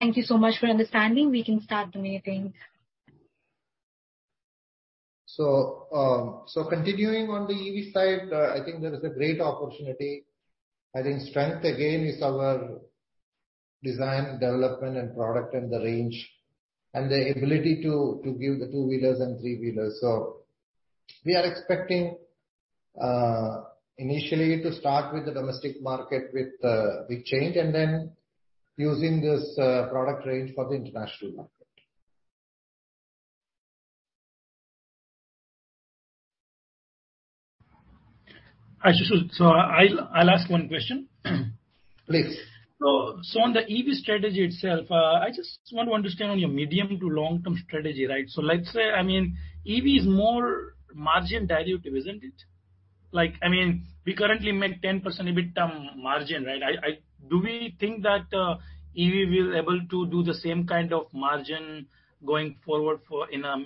Thank you so much for understanding. We can start the meeting. Continuing on the EV side, I think there is a great opportunity. I think strength, again, is our design, development and product and the range, and the ability to give the two-wheelers and three-wheelers. We are expecting initially to start with the domestic market with the iQube and then using this product range for the international market. Ashu, I'll ask one question. Please. On the EV strategy itself, I just want to understand your medium- to long-term strategy, right? Let's say, I mean, EV is more margin dilutive, isn't it? Like, I mean, we currently make 10% EBITDA margin, right? Do we think that EV will be able to do the same kind of margin going forward,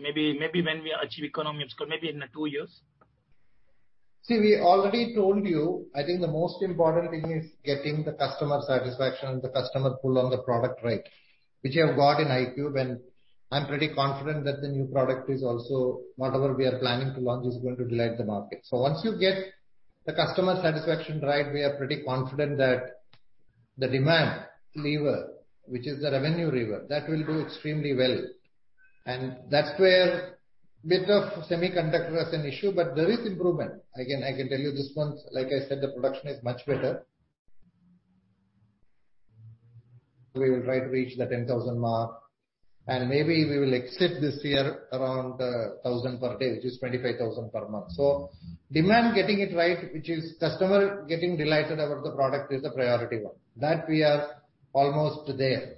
maybe when we achieve economies, maybe in two years? See, we already told you. I think the most important thing is getting the customer satisfaction, the customer pull on the product, right? Which you have got in iQube, and I'm pretty confident that the new product is also whatever we are planning to launch is going to delight the market. Once you get the customer satisfaction right, we are pretty confident that the demand lever, which is the revenue lever, that will do extremely well. That's where bit of semiconductor was an issue, but there is improvement. Again, I can tell you this month, like I said, the production is much better. We will try to reach the 10,000 mark, and maybe we will exceed this year around 1,000 per day, which is 25,000 per month. Demand getting it right, which is customer getting delighted about the product, is the priority one. That we are almost there.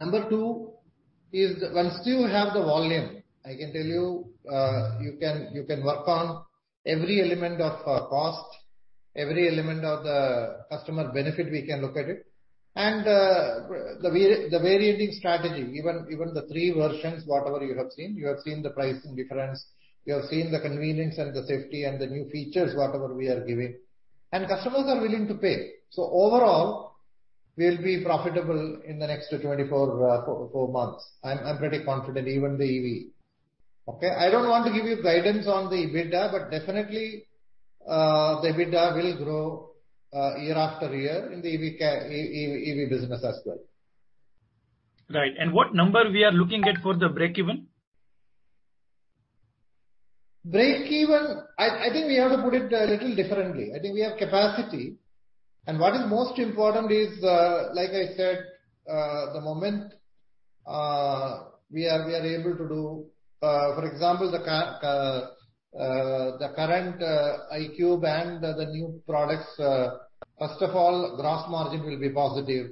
Number two is once you have the volume, I can tell you can work on every element of cost, every element of the customer benefit, we can look at it. The varying strategy, even the three versions, whatever you have seen, you have seen the pricing difference, you have seen the convenience and the safety and the new features, whatever we are giving. Customers are willing to pay. Overall, we'll be profitable in the next 24 months. I'm pretty confident even the EV. I don't want to give you guidance on the EBITDA, but definitely, the EBITDA will grow year-after-year in the EV business as well. Right. What number we are looking at for the breakeven? Breakeven, I think we have to put it a little differently. I think we have capacity. What is most important is, like I said, the moment we are able to do, for example, the current iQube and the new products, first of all, gross margin will be positive.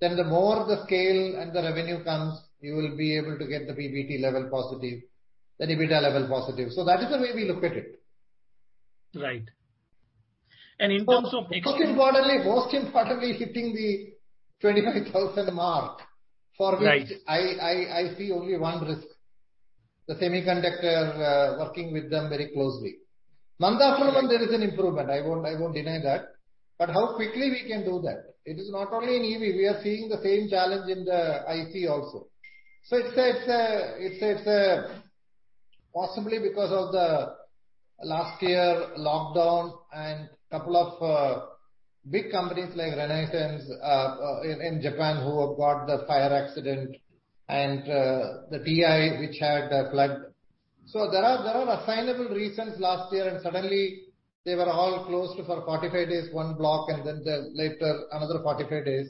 The more the scale and the revenue comes, you will be able to get the PBT level positive, the EBITDA level positive. That is the way we look at it. Right. Most importantly, hitting the 25,000 mark. Right. For which I see only one risk, the semiconductor, working with them very closely. Month after month there is an improvement. I won't deny that. But how quickly we can do that? It is not only in EV. We are seeing the same challenge in the ICE also. It's possibly because of the last year lockdown and couple of big companies like Renesas in Japan who have got the fire accident and the TI which had the flood. There are assignable reasons last year and suddenly they were all closed for 45 days, one block, and then the later another 45 days.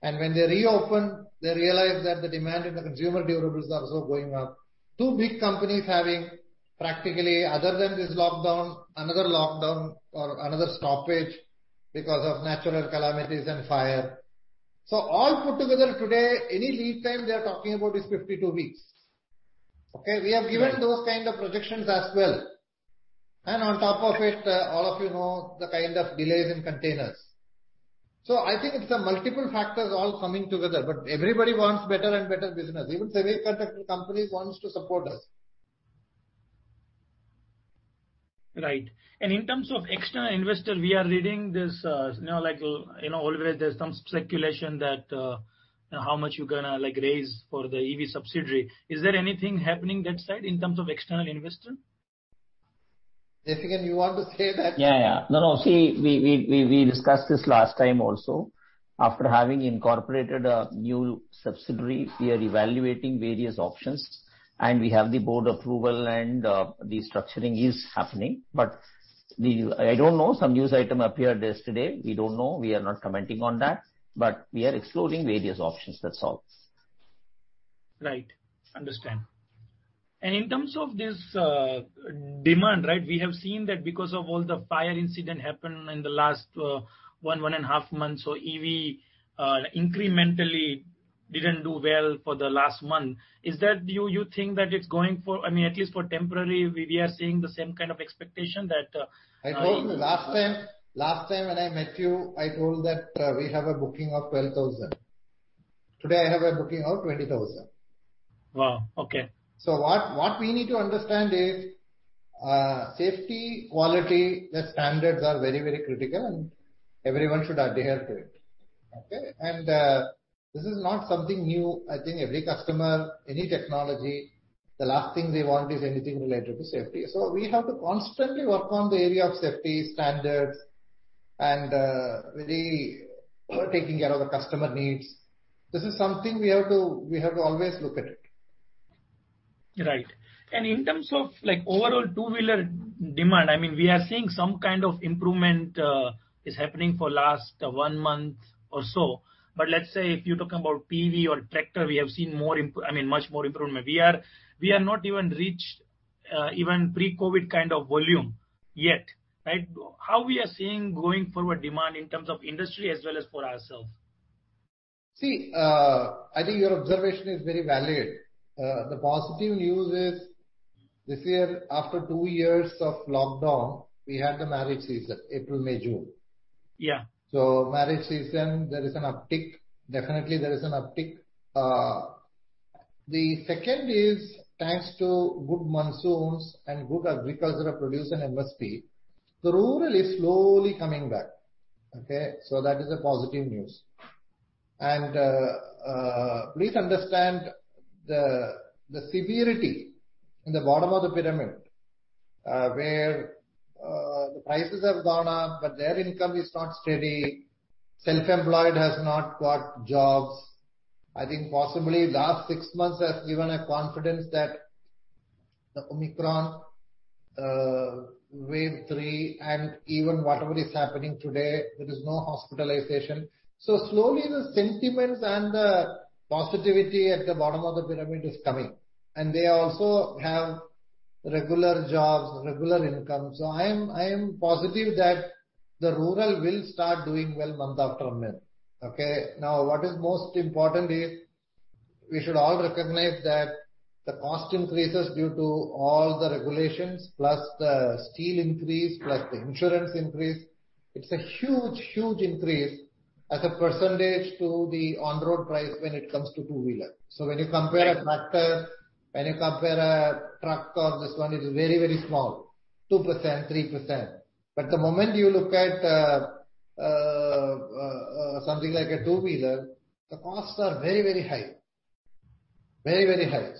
When they reopened, they realized that the demand in the consumer durables are also going up. Two big companies having practically other than this lockdown, another lockdown or another stoppage because of natural calamities and fire. All put together today, any lead time they are talking about is 52 weeks. Okay? Yeah. We have given those kinds of projections as well. On top of it, all of you know the kind of delays in containers. I think it's the multiple factors all coming together. Everybody wants better and better business. Even semiconductor companies want to support us. Right. In terms of external investor, we are reading this, you know, like, you know, always there's some speculation that, how much you're gonna, like, raise for the EV subsidiary. Is there anything happening that side in terms of external investor? Desikan, you want to say that? Yeah, yeah. No, no. See, we discussed this last time also. After having incorporated a new subsidiary, we are evaluating various options. We have the board approval and the structuring is happening. I don't know, some news item appeared yesterday. We don't know. We are not commenting on that. We are exploring various options, that's all. Right. Understand. In terms of this demand, right? We have seen that because of the fire incident that happened in the last one and a half months, EV incrementally didn't do well for the last month. Is that what you think? I mean, at least temporarily, we are seeing the same kind of expectation that. I told you last time. Last time when I met you, I told that we have a booking of 12,000. Today, I have a booking of 20,000. Wow. Okay. What we need to understand is, safety quality, the standards are very critical, and everyone should adhere to it. Okay? This is not something new. I think every customer, any technology, the last thing they want is anything related to safety. We have to constantly work on the area of safety standards and really taking care of the customer needs. This is something we have to always look at it. Right. In terms of like overall two-wheeler demand, I mean, we are seeing some kind of improvement is happening for last one month or so. Let's say if you're talking about PV or tractor, we have seen I mean, much more improvement. We are not even reached even pre-COVID kind of volume yet, right? How we are seeing going forward demand in terms of industry as well as for ourselves? See, I think your observation is very valid. The positive news is this year, after two years of lockdown, we had the marriage season, April, May, June. Yeah. Marriage season, there is an uptick. Definitely, there is an uptick. The second is thanks to good monsoons and good agricultural produce and MSP, the rural is slowly coming back. Okay? That is a positive news. Please understand the severity in the bottom of the pyramid, where the prices have gone up, but their income is not steady. Self-employed has not got jobs. I think possibly last six months has given a confidence that the Omicron wave three and even whatever is happening today, there is no hospitalization. Slowly the sentiments and the positivity at the bottom of the pyramid is coming, and they also have regular jobs, regular income. I am positive that the rural will start doing well month after month. Okay? Now, what is most important is we should all recognize that the cost increases due to all the regulations, plus the steel increase, plus the insurance increase, it's a huge, huge increase as a percentage to the on-road price when it comes to two-wheeler. When you compare a tractor, when you compare a truck or this one, it is very, very small, 2%, 3%. The moment you look at something like a two-wheeler, the costs are very, very high. Very, very high.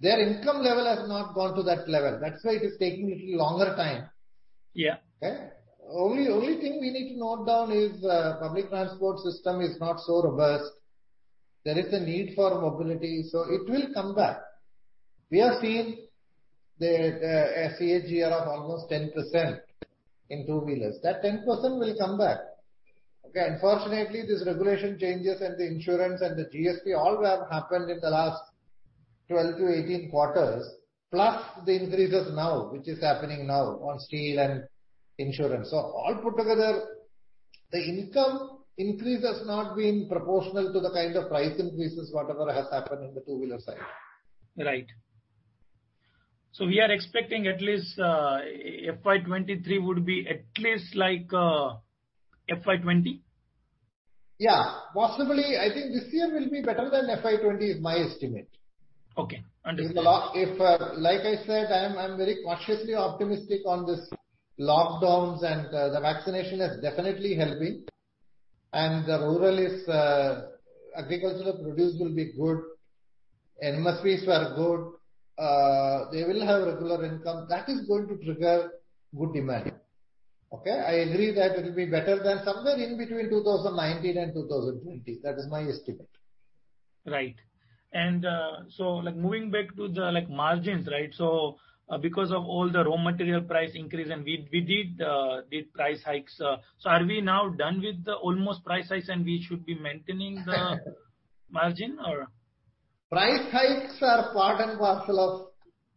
Their income level has not gone to that level. That's why it is taking a little longer time. Yeah. Okay? Only thing we need to note down is public transport system is not so robust. There is a need for mobility, so it will come back. We have seen a CAGR of almost 10% in two-wheelers. That 10% will come back. Okay? Unfortunately, these regulation changes and the insurance and the GST all have happened in the last 12-18 quarters, plus the increases now, which is happening now on steel and insurance. All put together, the income increase has not been proportional to the kind of price increases whatever has happened in the two-wheeler side. Right. We are expecting at least, FY 2023 would be at least like, FY 2020? Yeah. Possibly, I think this year will be better than FY 2020, is my estimate. Okay. Understood. If, like I said, I'm very cautiously optimistic on these lockdowns and the vaccination is definitely helping. The rural agricultural produce will be good. MSPs were good. They will have regular income. That is going to trigger good demand. Okay. I agree that it will be better than somewhere in between 2019 and 2020. That is my estimate. Right. Like moving back to the like margins, right? Because of all the raw material price increase, and we did price hikes. Are we now done with the almost price hikes and we should be maintaining the margin or? Price hikes are part and parcel of,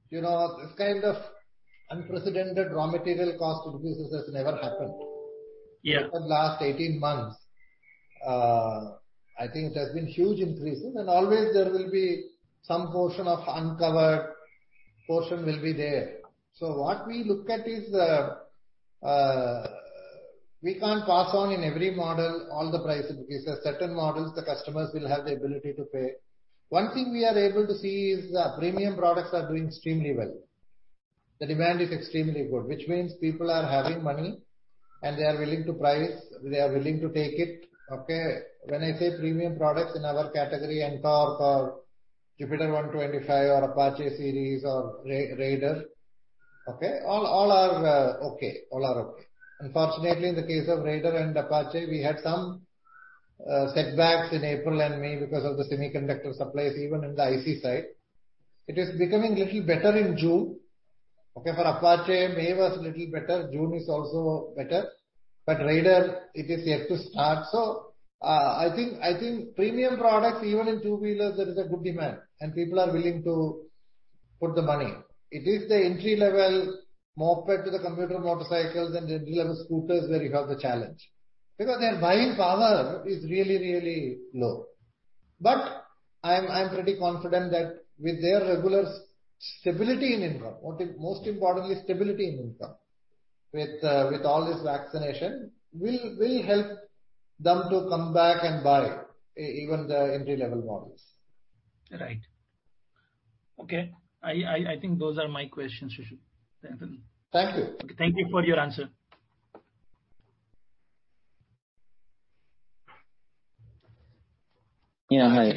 you know, this kind of unprecedented raw material cost increases has never happened. Yeah. For the last 18 months, I think it has been huge increases. Always there will be some portion of uncovered portion will be there. What we look at is, we can't pass on in every model all the price increases. Certain models, the customers will have the ability to pay. One thing we are able to see is, premium products are doing extremely well. The demand is extremely good, which means people are having money and they are willing to price, they are willing to take it. When I say premium products in our category, Ntorq or Jupiter 125 or Apache series or Raider. All are okay. Unfortunately, in the case of Raider and Apache, we had some setbacks in April and May because of the semiconductor supplies, even in the IC side. It is becoming a little better in June. Okay? For Apache, May was a little better, June is also better. Raider, it is yet to start. I think premium products, even in two-wheelers, there is a good demand, and people are willing to put the money. It is the entry-level moped to the commuter motorcycles and entry-level scooters where you have the challenge, because their buying power is really, really low. I am pretty confident that with their regular stability in income, what is most importantly stability in income with all this vaccination, we'll help them to come back and buy even the entry-level models. Right. Okay. I think those are my questions, Sudarshan Venu, Anthony. Thank you. Thank you for your answer. Yeah. Hi.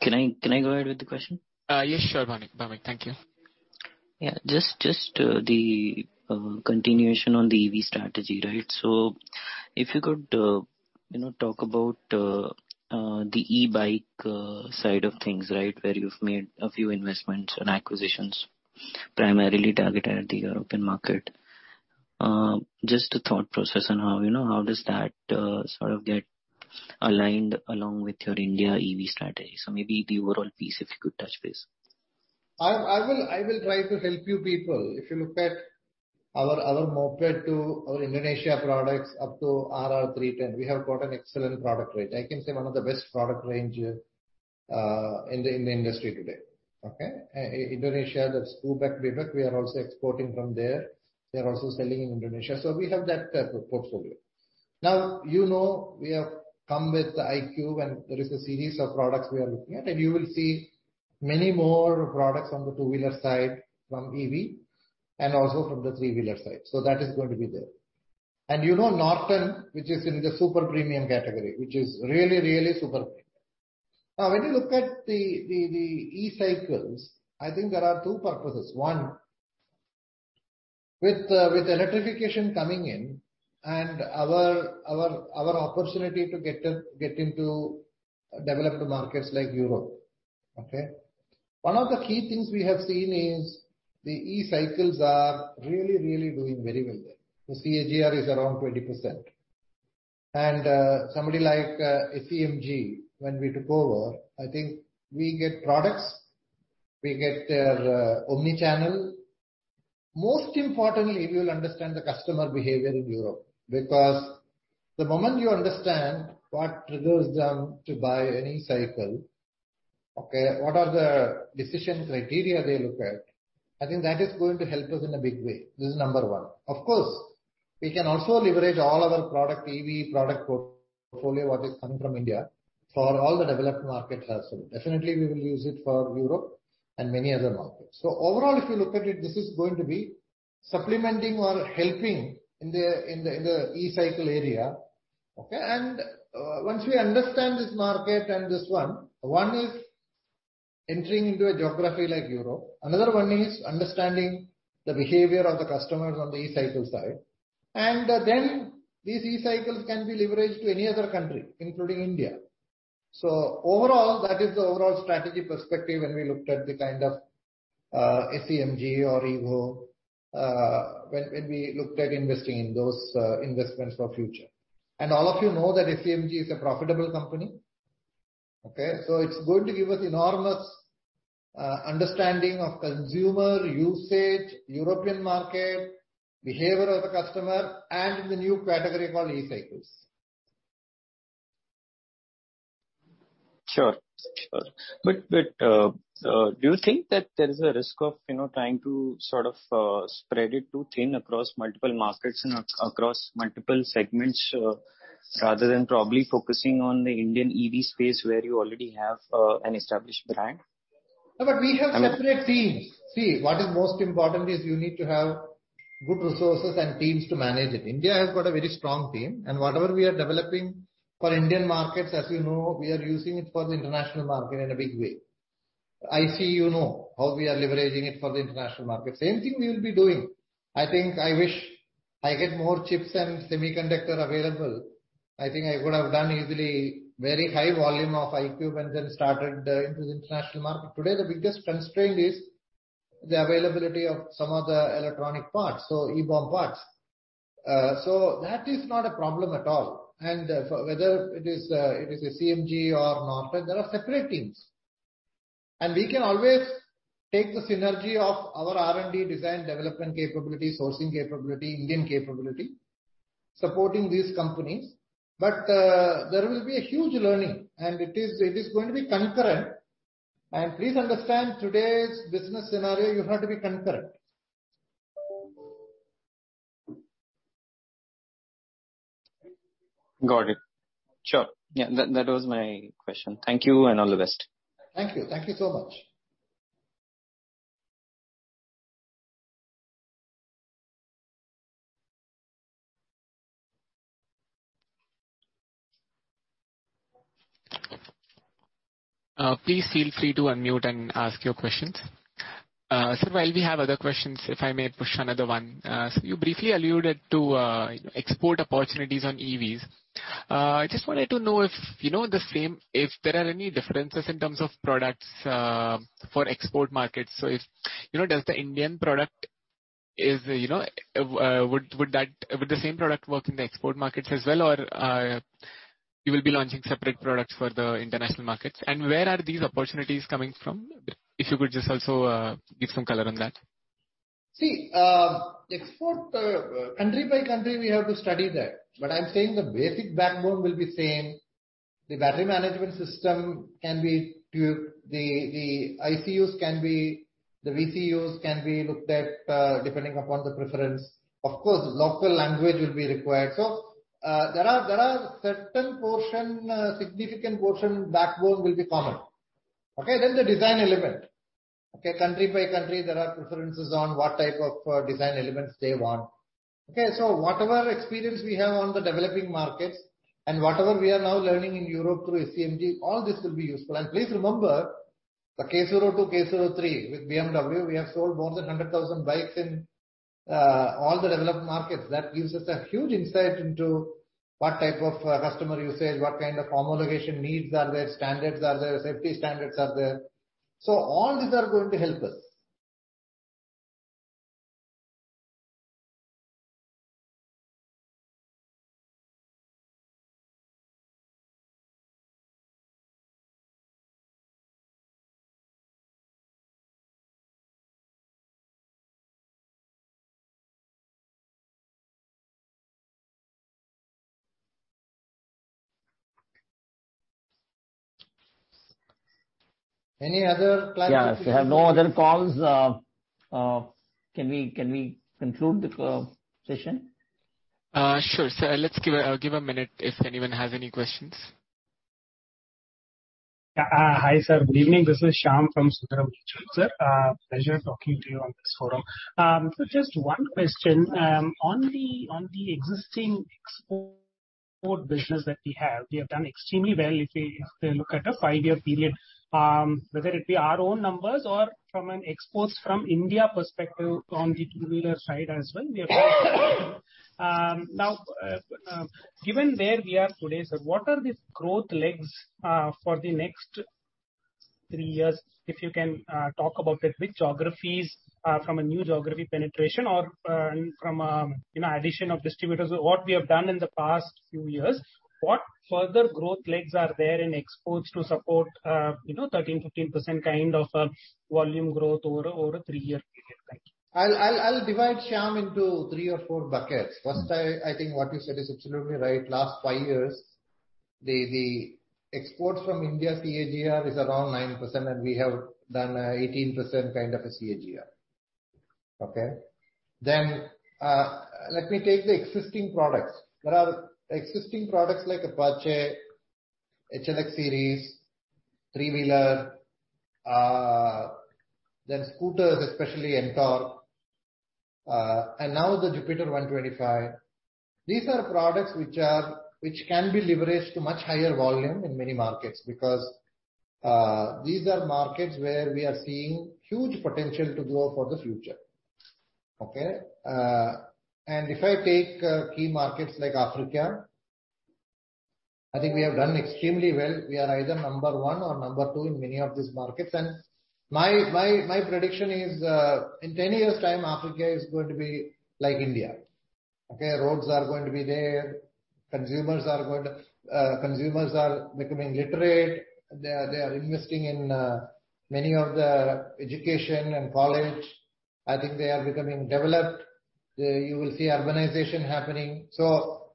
Can I go ahead with the question? Yes. Sure, Manik. Manik, thank you. Yeah. Just the continuation on the EV strategy, right? If you could, you know, talk about the e-bike side of things, right? Where you've made a few investments and acquisitions, primarily targeted at the European market. Just a thought process on how, you know, how does that sort of get aligned along with your India EV strategy. Maybe the overall piece, if you could touch base. I will try to help you people. If you look at our moped to our Indonesia products up to RR 310, we have got an excellent product range. I can say one of the best product range in the industry today. Okay. Indonesia, that's Neo, Bebek, we are also exporting from there. They're also selling in Indonesia, so we have that portfolio. Now, you know, we have come with the iQube, and there is a series of products we are looking at. You will see many more products on the two-wheeler side from EV and also from the three-wheeler side. That is going to be there. You know Norton, which is in the super premium category, which is really super. Now, when you look at the e-cycles, I think there are two purposes. One, with electrification coming in and our opportunity to get into developed markets like Europe, okay? One of the key things we have seen is the e-cycles are really doing very well there. The CAGR is around 20%. Somebody like Swiss E-Mobility Group, when we took over, I think we get products, we get their omnichannel. Most importantly, we will understand the customer behavior in Europe. Because the moment you understand what triggers them to buy any cycle, okay, what are the decision criteria they look at, I think that is going to help us in a big way. This is number one. Of course, we can also leverage all our EV product portfolio, what is coming from India, for all the developed markets also. Definitely, we will use it for Europe and many other markets. Overall, if you look at it, this is going to be supplementing or helping in the e-cycle area, okay? Once we understand this market and this one is entering into a geography like Europe. Another one is understanding the behavior of the customers on the e-cycle side. Then these e-cycles can be leveraged to any other country, including India. Overall, that is the overall strategy perspective when we looked at the kind of SCMG or Evo when we looked at investing in those investments for future. All of you know that SCMG is a profitable company, okay? It's going to give us enormous understanding of consumer usage, European market, behavior of the customer, and in the new category called e-cycles. Sure. Do you think that there is a risk of, you know, trying to sort of, spread it too thin across multiple markets and across multiple segments, rather than probably focusing on the Indian EV space where you already have an established brand? No, we have separate teams. See, what is most important is you need to have good resources and teams to manage it. India has got a very strong team, and whatever we are developing for Indian markets, as you know, we are using it for the international market in a big way. ICE, you know, how we are leveraging it for the international market. Same thing we will be doing. I think I wish I get more chips and semiconductor available. I think I could have done easily very high volume of iQube and then started into the international market. Today, the biggest constraint is the availability of some of the electronic parts, so eBOM parts. So that is not a problem at all. For whether it is, it is Swiss E-Mobility Group or Norton, there are separate teams. We can always take the synergy of our R&D design development capability, sourcing capability, Indian capability, supporting these companies. There will be a huge learning, and it is going to be concurrent. Please understand, today's business scenario, you have to be concurrent. Got it. Sure. Yeah. That was my question. Thank you, and all the best. Thank you. Thank you so much. Please feel free to unmute and ask your questions. Sir, while we have other questions, if I may push another one. You briefly alluded to export opportunities on EVs. I just wanted to know if you know the same, if there are any differences in terms of products for export markets. Would the same product work in the export markets as well? Or you will be launching separate products for the international markets? And where are these opportunities coming from? If you could just also give some color on that. See, export country by country, we have to study that. I'm saying the basic backbone will be same. The battery management system can be the ECUs can be, the VCUs can be looked at, depending upon the preference. Of course, local language will be required. There are certain portion, significant portion backbone will be common. Okay? The design element. Okay. Country by country, there are preferences on what type of design elements they want. Okay? Whatever experience we have on the developing markets and whatever we are now learning in Europe through ACMG, all this will be useful. Please remember the K02, K03 with BMW, we have sold more than 100,000 bikes in all the developed markets. That gives us a huge insight into what type of customer usage, what kind of homologation needs are there, standards are there, safety standards are there. All these are going to help us. Any other clarification? Yes. If there are no other calls, can we conclude the session? Sure, sir. Let's give a minute if anyone has any questions. Hi, sir. Good evening. This is Shyam from Sundaram Mutual Fund. Pleasure talking to you on this forum. Just one question. On the existing export business that we have, we have done extremely well if we look at a five-year period, whether it be our own numbers or from an exports from India perspective on the two-wheeler side as well, we have done extremely well. Now, given where we are today, sir, what are the growth legs for the next three years? If you can talk about it, which geographies from a new geography penetration or from, you know, addition of distributors, what we have done in the past few years, what further growth legs are there in exports to support, you know, 13%-15% kind of a volume growth over a three-year period? Thank you. I'll divide, Shyam, into three or four buckets. First, I think what you said is absolutely right. Last five years, the exports from India CAGR is around 9%, and we have done 18% kind of a CAGR. Okay? Let me take the existing products. There are existing products like Apache, HLX series, three-wheeler, then scooters, especially Ntorq, and now the Jupiter 125. These are products which can be leveraged to much higher volume in many markets, because these are markets where we are seeing huge potential to grow for the future. Okay? And if I take key markets like Africa, I think we have done extremely well. We are either number one or number two in many of these markets. My prediction is in 10 years' time, Africa is going to be like India. Okay? Roads are going to be there. Consumers are becoming literate. They are investing in many of the education and college. I think they are becoming developed. You will see urbanization happening.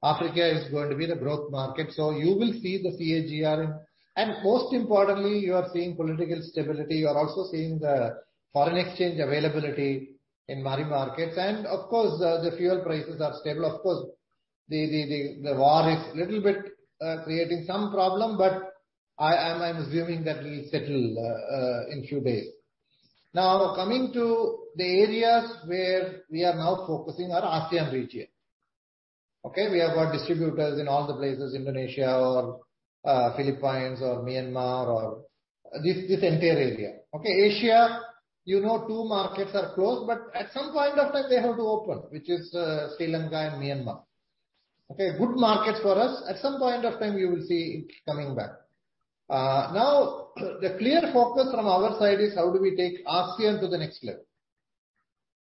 Africa is going to be the growth market. You will see the CAGR. Most importantly, you are seeing political stability. You are also seeing the foreign exchange availability in many markets. Of course, the fuel prices are stable. Of course, the war is little bit creating some problem, but I'm assuming that will settle in few days. Now, coming to the areas where we are now focusing are ASEAN region. Okay? We have got distributors in all the places, Indonesia or Philippines or Myanmar or this entire area. Okay? Asia, you know, two markets are closed, but at some point of time they have to open, which is Sri Lanka and Myanmar. Okay? Good markets for us. At some point of time, we will see it coming back. Now, the clear focus from our side is how do we take ASEAN to the next level?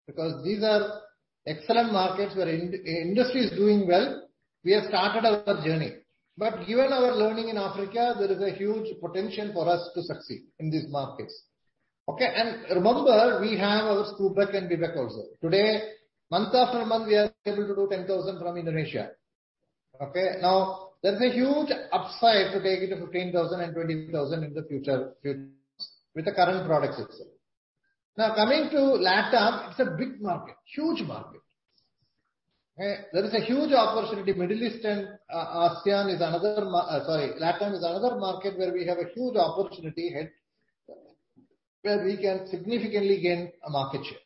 Because these are excellent markets where industry is doing well. We have started our journey. But given our learning in Africa, there is a huge potential for us to succeed in these markets. Okay? Remember, we have our Skutik and Bebek also. Today, month after month, we are able to do 10,000 from Indonesia. Okay? Now, there's a huge upside to take it to 15,000 and 20,000 in the future with the current products itself. Now, coming to LATAM, it's a big market, huge market. Okay? There is a huge opportunity. Middle East and ASEAN is another market. Sorry, LATAM is another market where we have a huge opportunity and where we can significantly gain a market share.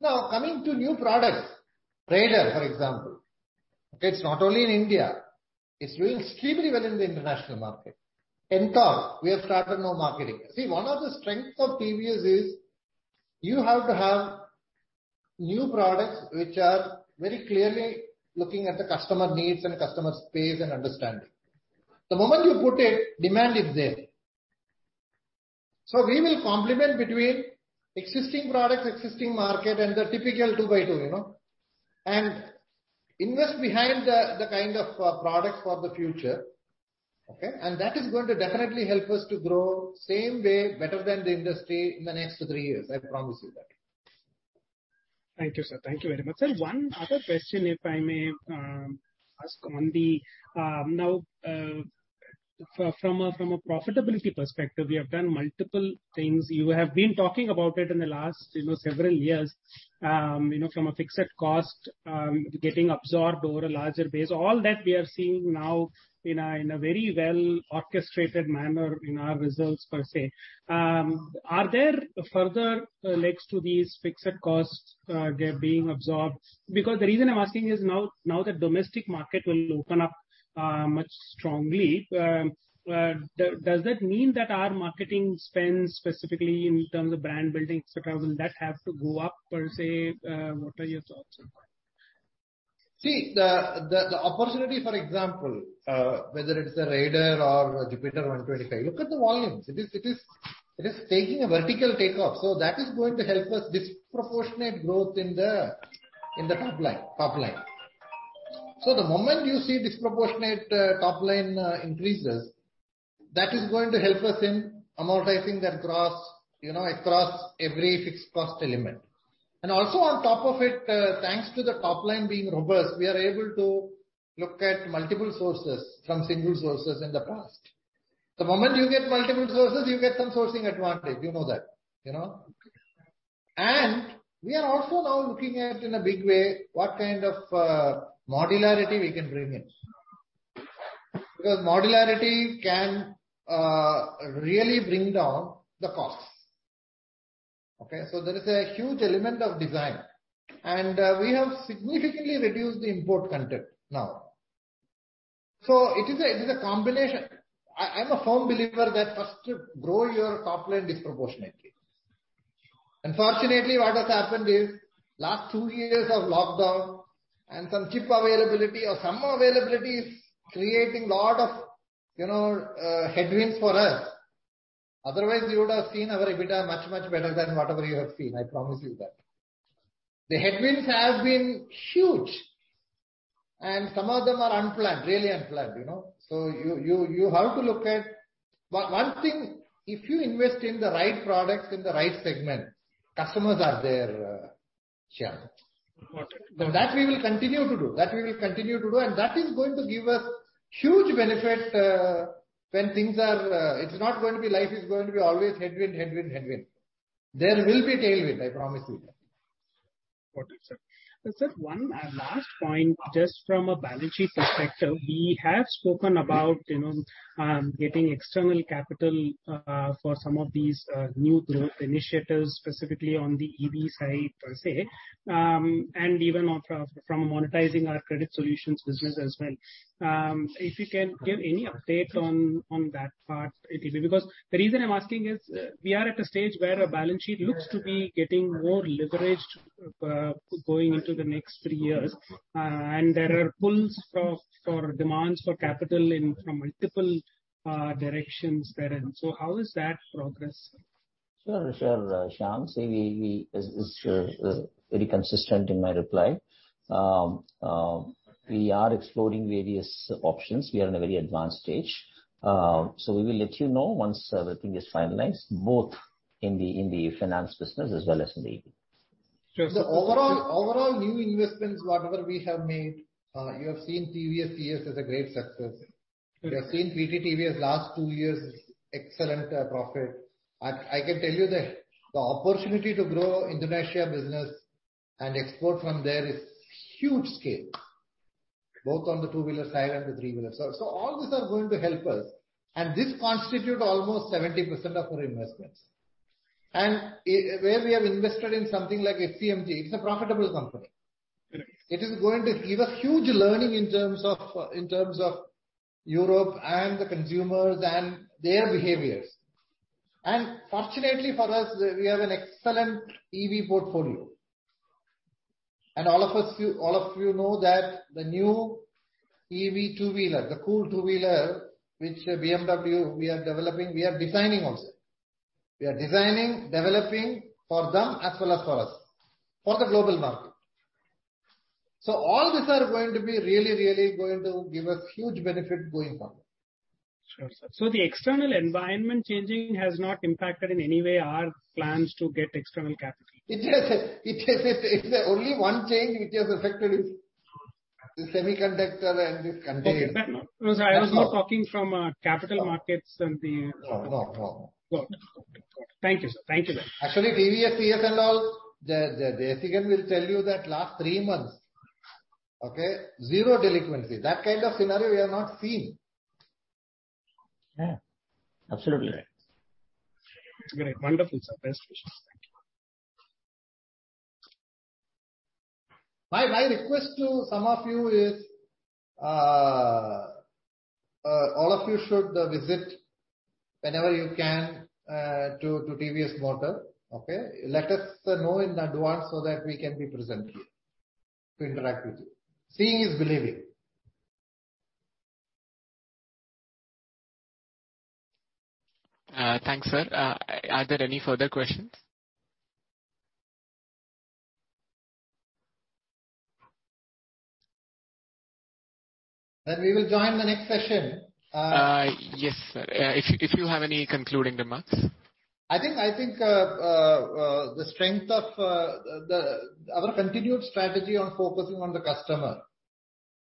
Now, coming to new products. Raider, for example. Okay? It's not only in India. It's doing extremely well in the international market. Ntorq, we have started now marketing. See, one of the strengths of TVS is you have to have new products which are very clearly looking at the customer needs and customer space and understanding. The moment you put it, demand is there. So we will complement between existing products, existing market, and the typical two by two, you know? Invest behind the kind of products for the future. Okay? That is going to definitely help us to grow same way, better than the industry in the next three years. I promise you that. Thank you, sir. Thank you very much. Sir, one other question, if I may, ask on the now, from a profitability perspective, you have done multiple things. You have been talking about it in the last, you know, several years. You know, from a fixed cost getting absorbed over a larger base. All that we are seeing now in a very well-orchestrated manner in our results per se. Are there further legs to these fixed costs, they're being absorbed? Because the reason I'm asking is now the domestic market will open up much strongly. Does that mean that our marketing spends specifically in terms of brand building, et cetera, will that have to go up per se? What are your thoughts on that? See the opportunity, for example, whether it's a Raider or Jupiter 125, look at the volumes. It is taking a vertical takeoff. That is going to help us disproportionate growth in the top line. The moment you see disproportionate top-line increases, that is going to help us in amortizing that cost, you know, across every fixed cost element. Also, on top of it, thanks to the top line being robust, we are able to look at multiple sources from single sources in the past. The moment you get multiple sources, you get some sourcing advantage, you know that. You know? We are also now looking at in a big way what kind of modularity we can bring in. Because modularity can really bring down the costs. Okay? There is a huge element of design, and we have significantly reduced the import content now. It is a combination. I'm a firm believer that first you grow your top line disproportionately. Unfortunately, what has happened is last two years of lockdown and some chip availability or some availability is creating lot of headwinds for us. Otherwise, you would have seen our EBITDA much, much better than whatever you have seen, I promise you that. The headwinds have been huge, and some of them are unplanned, really unplanned. You have to look at one thing, if you invest in the right products in the right segment, customers are there, Shyam. Got it. That we will continue to do, and that is going to give us huge benefit when things are. It's not always going to be headwind. There will be tailwind, I promise you that. Got it, sir. Sir, one last point. Just from a balance sheet perspective, we have spoken about, you know, getting external capital for some of these new growth initiatives, specifically on the EV side per se, and even from monetizing our credit solutions business as well. If you can give any update on that part a little bit. Because the reason I'm asking is, we are at a stage where our balance sheet looks to be getting more leveraged, going into the next three years, and there are pulls for demands for capital in from multiple directions therein. How is that progress? Sure, Shyam. See, it's very consistent in my reply. We are exploring various options. We are in a very advanced stage. We will let you know once everything is finalized, both in the finance business as well as in the EV. The overall new investments, whatever we have made, you have seen TVS, it's a great success. You have seen PT TVS last two years is excellent profit. I can tell you that the opportunity to grow Indonesia business and export from there is huge scale, both on the two-wheeler side and the three-wheeler. All these are going to help us, and this constitute almost 70% of our investments. Where we have invested in something like SCMG, it's a profitable company. Right. It is going to give us huge learning in terms of Europe and the consumers and their behaviors. Fortunately for us, we have an excellent EV portfolio. All of us, all of you know that the new EV two-wheeler, the CE 02 two-wheeler which BMW we are developing, we are designing also. We are designing, developing for them as well as for us, for the global market. All these are going to be really going to give us huge benefit going forward. Sure, sir. The external environment changing has not impacted in any way our plans to get external capital. It has. It's the only one change which has affected is the semiconductor and this container. Okay. No, sir, I was not talking from capital markets and the- No, no. Good. Thank you, sir. Thank you very much. Actually, TVS TS and all, the SEPM will tell you that last three months, okay, zero delinquency. That kind of scenario we have not seen. Yeah, absolutely right. Great. Wonderful, sir. Best wishes. Thank you. My request to some of you is, all of you should visit whenever you can, to TVS Motor. Okay? Let us know in advance so that we can be present here to interact with you. Seeing is believing. Thanks, sir. Are there any further questions? We will join the next session. Yes, sir. If you have any concluding remarks. I think the strength of our continued strategy on focusing on the customer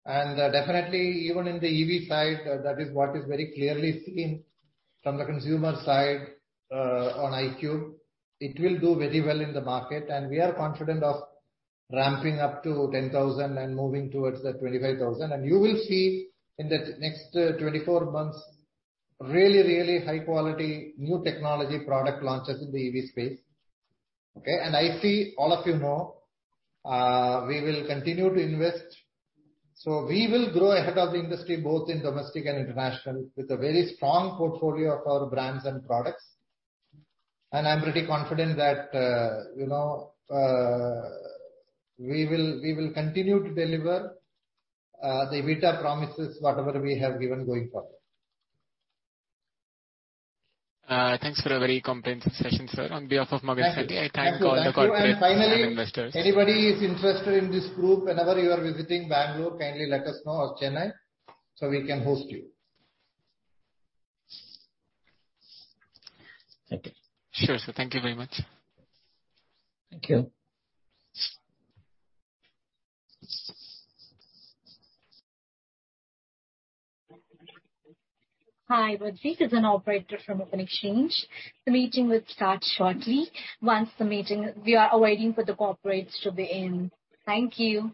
and definitely even in the EV side, that is what is very clearly seen from the consumer side on iQube. It will do very well in the market, and we are confident of ramping up to 10,000 and moving towards the 25,000. You will see in the next 24 months really high quality new technology product launches in the EV space. Okay. I see all of you know we will continue to invest. We will grow ahead of the industry, both in domestic and international, with a very strong portfolio of our brands and products. I'm pretty confident that you know we will continue to deliver the EBITDA promises, whatever we have given going forward. Thanks for a very comprehensive session, sir. On behalf of Morgan Stanley. Thank you. I thank all the corporates and investors. Finally, anybody who is interested in this group, whenever you are visiting Bangalore, kindly let us know, or Chennai, so we can host you. Thank you. Sure, sir. Thank you very much. Thank you. Hi, Vijeeth is an operator from OpenExchange. The meeting will start shortly. We are awaiting for the corporates to be in. Thank you.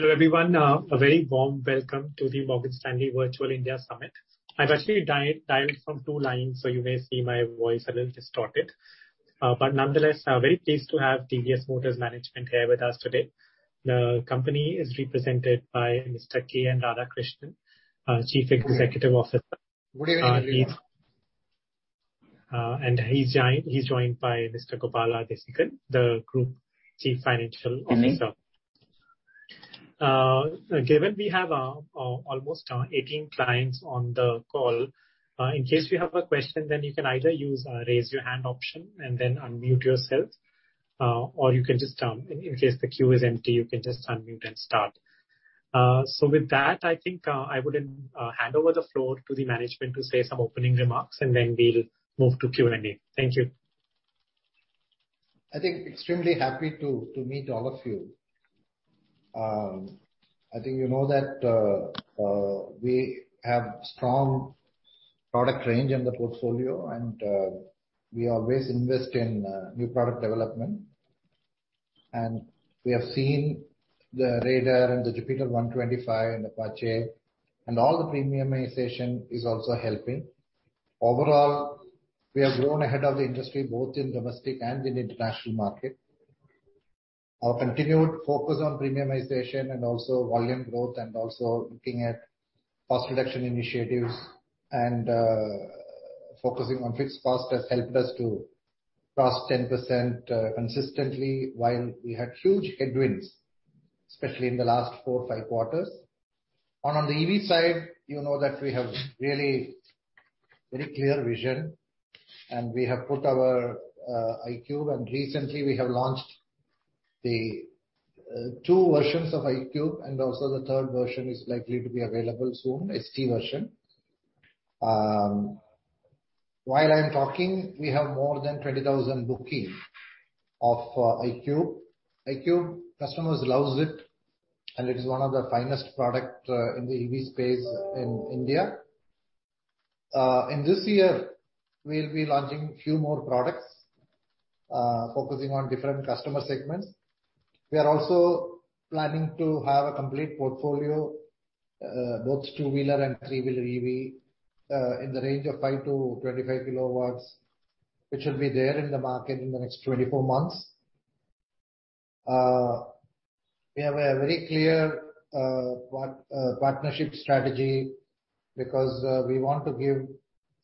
Hello, everyone. A very warm welcome to the Morgan Stanley Virtual India Summit. I've actually dialed from two lines, so you may see my voice a little distorted. But nonetheless, I'm very pleased to have TVS Motor Company management here with us today. The company is represented by Mr. K.N. Radhakrishnan, Chief Executive Officer. Good evening, everyone. He's joined by Mr. K. Gopala Desikan, the Group Chief Financial Officer. Morning. Given we have almost 18 clients on the call, in case you have a question, then you can either use raise your hand option and then unmute yourself, or you can just, in case the queue is empty, you can just unmute and start. With that, I think I would hand over the floor to the management to say some opening remarks, and then we'll move to Q&A. Thank you. I think extremely happy to meet all of you. I think you know that we have strong product range in the portfolio, and we always invest in new product development. We have seen the Raider and the Jupiter 125 and Apache, and all the premiumization is also helping. Overall, we have grown ahead of the industry, both in domestic and in international market. Our continued focus on premiumization and also volume growth and also looking at cost reduction initiatives and focusing on fixed cost has helped us to cross 10% consistently while we had huge headwinds, especially in the last four, five quarters. On the EV side, you know that we have really very clear vision, and we have put our iQube, and recently we have launched the two versions of iQube, and also the third version is likely to be available soon, iQube ST version. While I'm talking, we have more than 20,000 booking of iQube. iQube, customers loves it, and it is one of the finest product in the EV space in India. In this year we'll be launching a few more products, focusing on different customer segments. We are also planning to have a complete portfolio, both two-wheeler and three-wheeler EV, in the range of 5 kW-25 kW, which will be there in the market in the next 24 months. We have a very clear partnership strategy because we want to give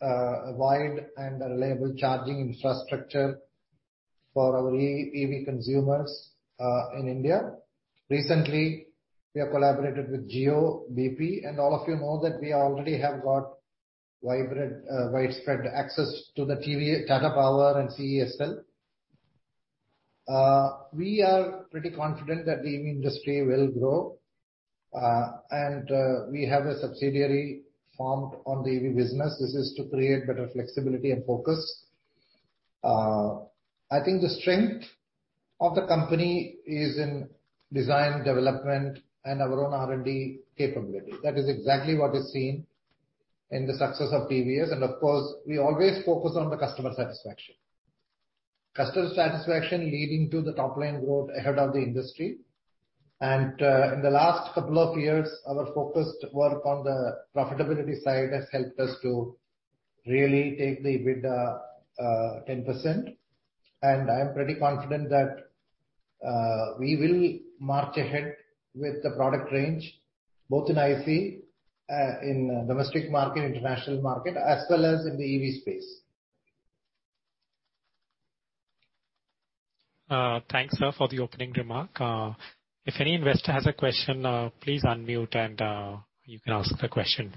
a wide and a reliable charging infrastructure for our EV consumers in India. Recently, we have collaborated with Jio-bp, and all of you know that we already have got vibrant widespread access to the TVS, Tata Power and CESL. We are pretty confident that the EV industry will grow, and we have a subsidiary formed on the EV business. This is to create better flexibility and focus. I think the strength of the company is in design, development and our own R&D capability. That is exactly what is seen in the success of TVS. Of course, we always focus on the customer satisfaction. Customer satisfaction leading to the top-line growth ahead of the industry. In the last couple of years, our focused work on the profitability side has helped us to really take the EBITDA 10%. I am pretty confident that we will march ahead with the product range, both in ICE, in domestic market, international market, as well as in the EV space. Thanks, sir, for the opening remark. If any investor has a question, please unmute and you can ask the question.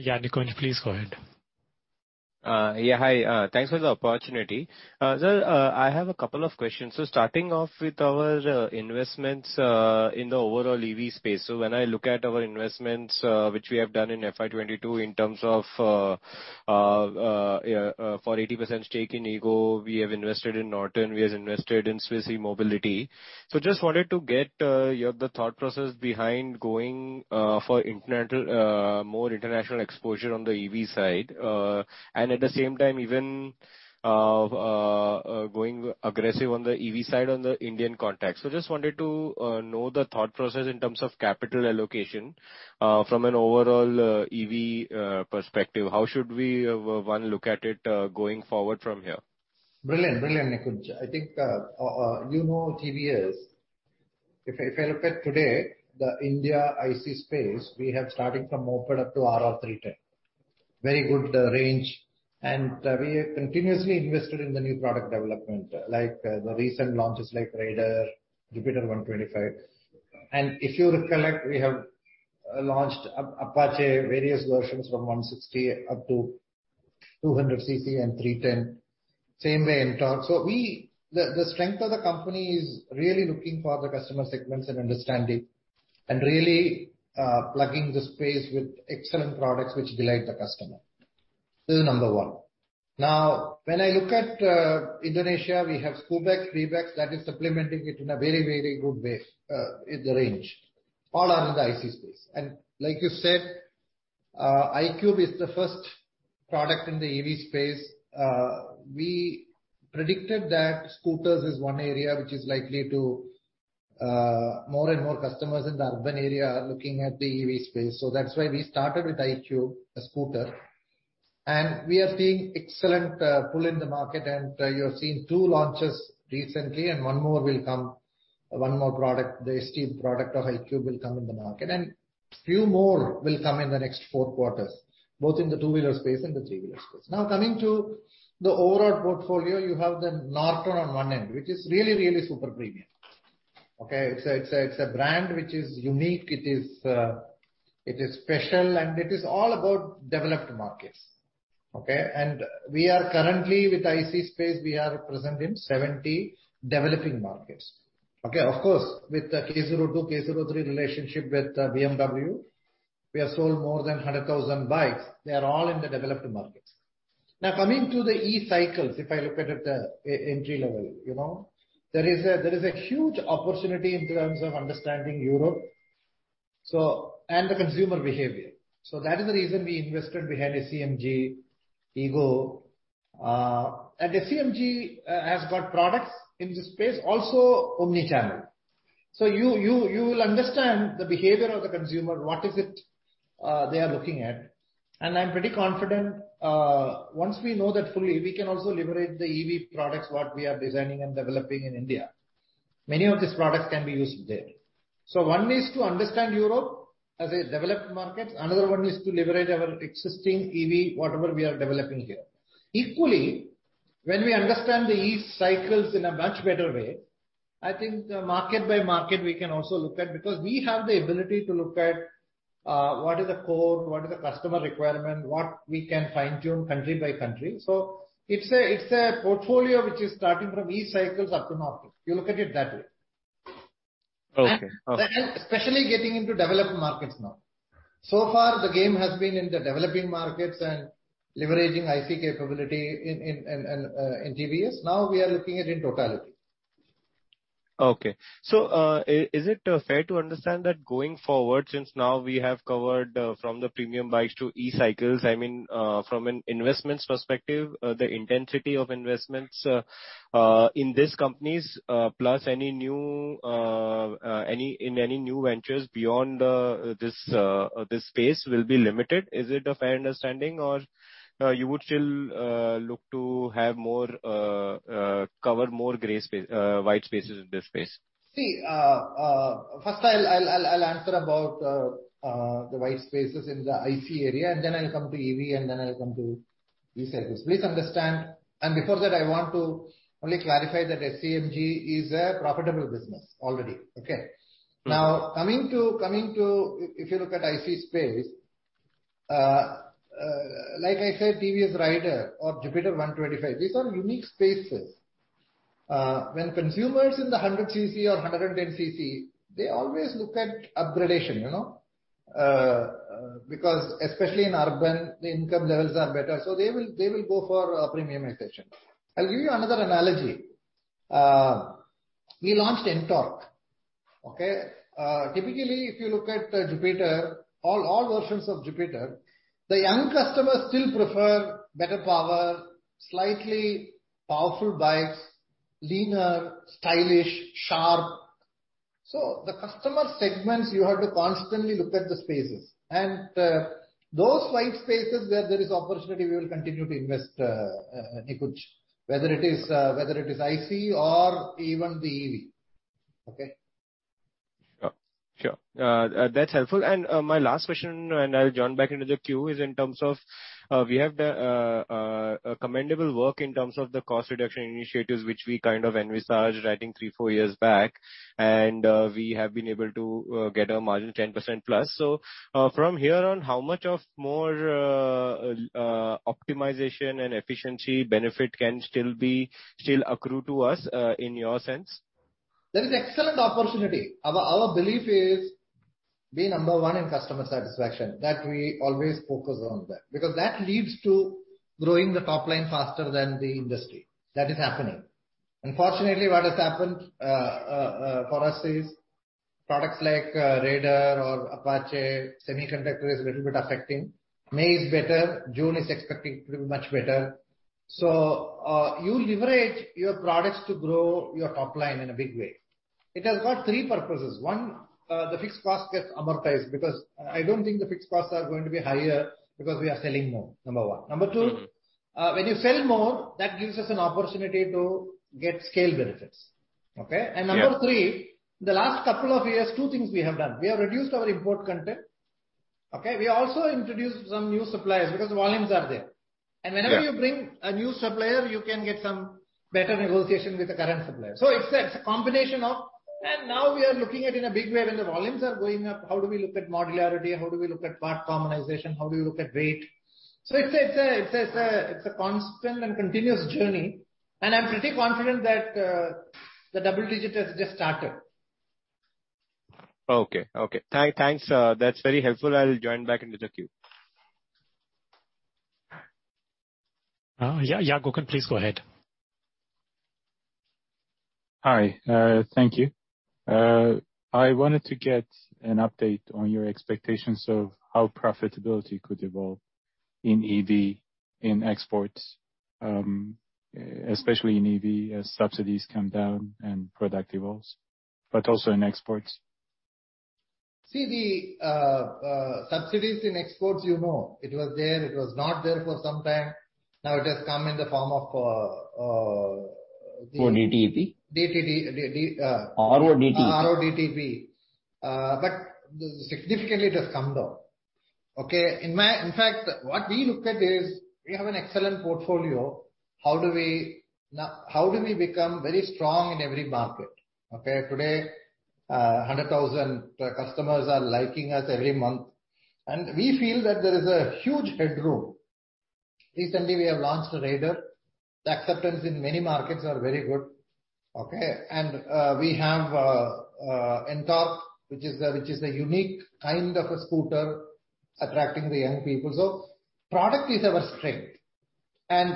Yeah, Nikunj, please go ahead. Yeah. Hi. Thanks for the opportunity. Sir, I have a couple of questions. Starting off with our investments in the overall EV space. When I look at our investments, which we have done in FY22 in terms of for 80% stake in EGO Movement, we have invested in Norton Motorcycles. We have invested in Swiss E-Mobility Group. Just wanted to get your thought process behind going for more international exposure on the EV side, and at the same time even going aggressive on the EV side in the Indian context. Just wanted to know the thought process in terms of capital allocation from an overall EV perspective. How should one look at it going forward from here? Brilliant, Nikunj. I think, you know TVS, if I look at today, the India ICE space, we have starting from Moped up to RR 310. Very good range. We have continuously invested in the new product development, like the recent launches like Raider, Jupiter 125. If you recollect, we have launched Apache, various versions from 160 up to 200 cc and 310. Same way, Ntorq. The strength of the company is really looking for the customer segments and understanding and really plugging the space with excellent products which delight the customer. This is number one. Now, when I look at Indonesia, we have Skutik, Bebek, that is supplementing it in a very, very good way in the range. All are in the ICE space. Like you said, iQube is the first product in the EV space. We predicted that scooters is one area which is likely to, more and more customers in the urban area are looking at the EV space. So that's why we started with iQube, a scooter. We are seeing excellent pull in the market. You have seen two launches recently, and one more will come. One more product, the esteemed product of iQube will come in the market. Few more will come in the next four quarters, both in the two-wheeler space and the three-wheeler space. Now, coming to the overall portfolio, you have the Norton on one end, which is really super premium. Okay? It's a brand which is unique. It is, it is special, and it is all about developed markets. Okay? We are currently with ICE space, we are present in 70 developing markets. Okay? Of course, with the G 310 R, G 310 GS relationship with BMW, we have sold more than 100,000 bikes. They are all in the developed markets. Now, coming to the e-cycles, if I look at it, EV entry level, you know, there is a huge opportunity in terms of understanding Europe, so, and the consumer behavior. So that is the reason we invested behind Swiss E-Mobility Group, EGO Movement. And Swiss E-Mobility Group has got products in this space, also omni-channel. So you will understand the behavior of the consumer, what it is they are looking at. I'm pretty confident, once we know that fully, we can also leverage the EV products, what we are designing and developing in India. Many of these products can be used there. One is to understand Europe as a developed market. Another one is to leverage our existing EV, whatever we are developing here. Equally, when we understand the e-cycles in a much better way, I think market by market, we can also look at, because we have the ability to look at what is the core? What is the customer requirement? What we can fine-tune country by country. It's a portfolio which is starting from e-cycles up to motorcycles. You look at it that way. Okay. Especially getting into developed markets now. So far, the game has been in the developing markets and leveraging ICE capability in TVS. Now we are looking at in totality. Okay. Is it fair to understand that going forward, since now we have covered from the premium bikes to e-cycles, I mean, from an investment perspective, the intensity of investments in these companies plus any new in any new ventures beyond this space will be limited. Is it a fair understanding or you would still cover more gray space, white spaces in this space? See, first I'll answer about the white spaces in the ICE area, and then I'll come to EV, and then I'll come to e-cycles. Please understand. Before that, I want to only clarify that FMCG is a profitable business already. Okay? Mm-hmm. Now, coming to, if you look at ICE space, like I said, TVS Raider or Jupiter 125, these are unique spaces. When consumers in the 100 cc or 110 cc, they always look at upgradation, you know. Because especially in urban, the income levels are better, so they will go for premiumization. I'll give you another analogy. We launched Ntorq. Okay? Typically, if you look at Jupiter, all versions of Jupiter, the young customers still prefer better power, slightly powerful bikes, leaner, stylish, sharp. So, the customer segments, you have to constantly look at the spaces. Those white spaces where there is opportunity, we will continue to invest, Nikunj. Whether it is ICE or even the EV. Okay? Sure. That's helpful. My last question, and I'll join back into the queue, is in terms of we have a commendable work in terms of the cost reduction initiatives which we kind of envisaged, I think, three, four years back. We have been able to get our margin 10%+. From here on, how much more optimization and efficiency benefit can still accrue to us, in your sense? There is excellent opportunity. Our belief is to be number one in customer satisfaction, that we always focus on that. That leads to growing the top line faster than the industry. That is happening. Unfortunately, what has happened for us is products like Raider or Apache, semiconductor is little bit affecting. May is better, June is expecting to be much better. You leverage your products to grow your top line in a big way. It has got three purposes. One, the fixed cost gets amortized because I don't think the fixed costs are going to be higher because we are selling more, number one. Mm-hmm. Number two, when you sell more, that gives us an opportunity to get scale benefits. Okay? Yeah. Number three, the last couple of years, two things we have done. We have reduced our import content. Okay? We also introduced some new suppliers because the volumes are there. Yeah. Whenever you bring a new supplier, you can get some better negotiation with the current supplier. It's a combination of. Now we are looking at, in a big way, when the volumes are going up, how do we look at modularity. How do we look at part commonization. How do you look at weight. It's a constant and continuous journey. I'm pretty confident that the double digit has just started. Okay. Thanks. That's very helpful. I'll join back into the queue. Yeah, Jyotivardhan Jaipuria, please go ahead. Hi, thank you. I wanted to get an update on your expectations of how profitability could evolve in EV, in exports, especially in EV as subsidies come down and product evolves, but also in exports. See the subsidies in exports, you know, it was there, it was not there for some time. Now it has come in the form of RoDTEP. DTT, DD, uh- RoDTEP. RoDTEP. Significantly it has come down. In fact, what we look at is we have an excellent portfolio. How do we become very strong in every market? Today, 100,000 customers are liking us every month. We feel that there is a huge headroom. Recently we have launched the Raider. The acceptance in many markets are very good. We have Ntorq, which is a unique kind of a scooter attracting the young people. Product is our strength.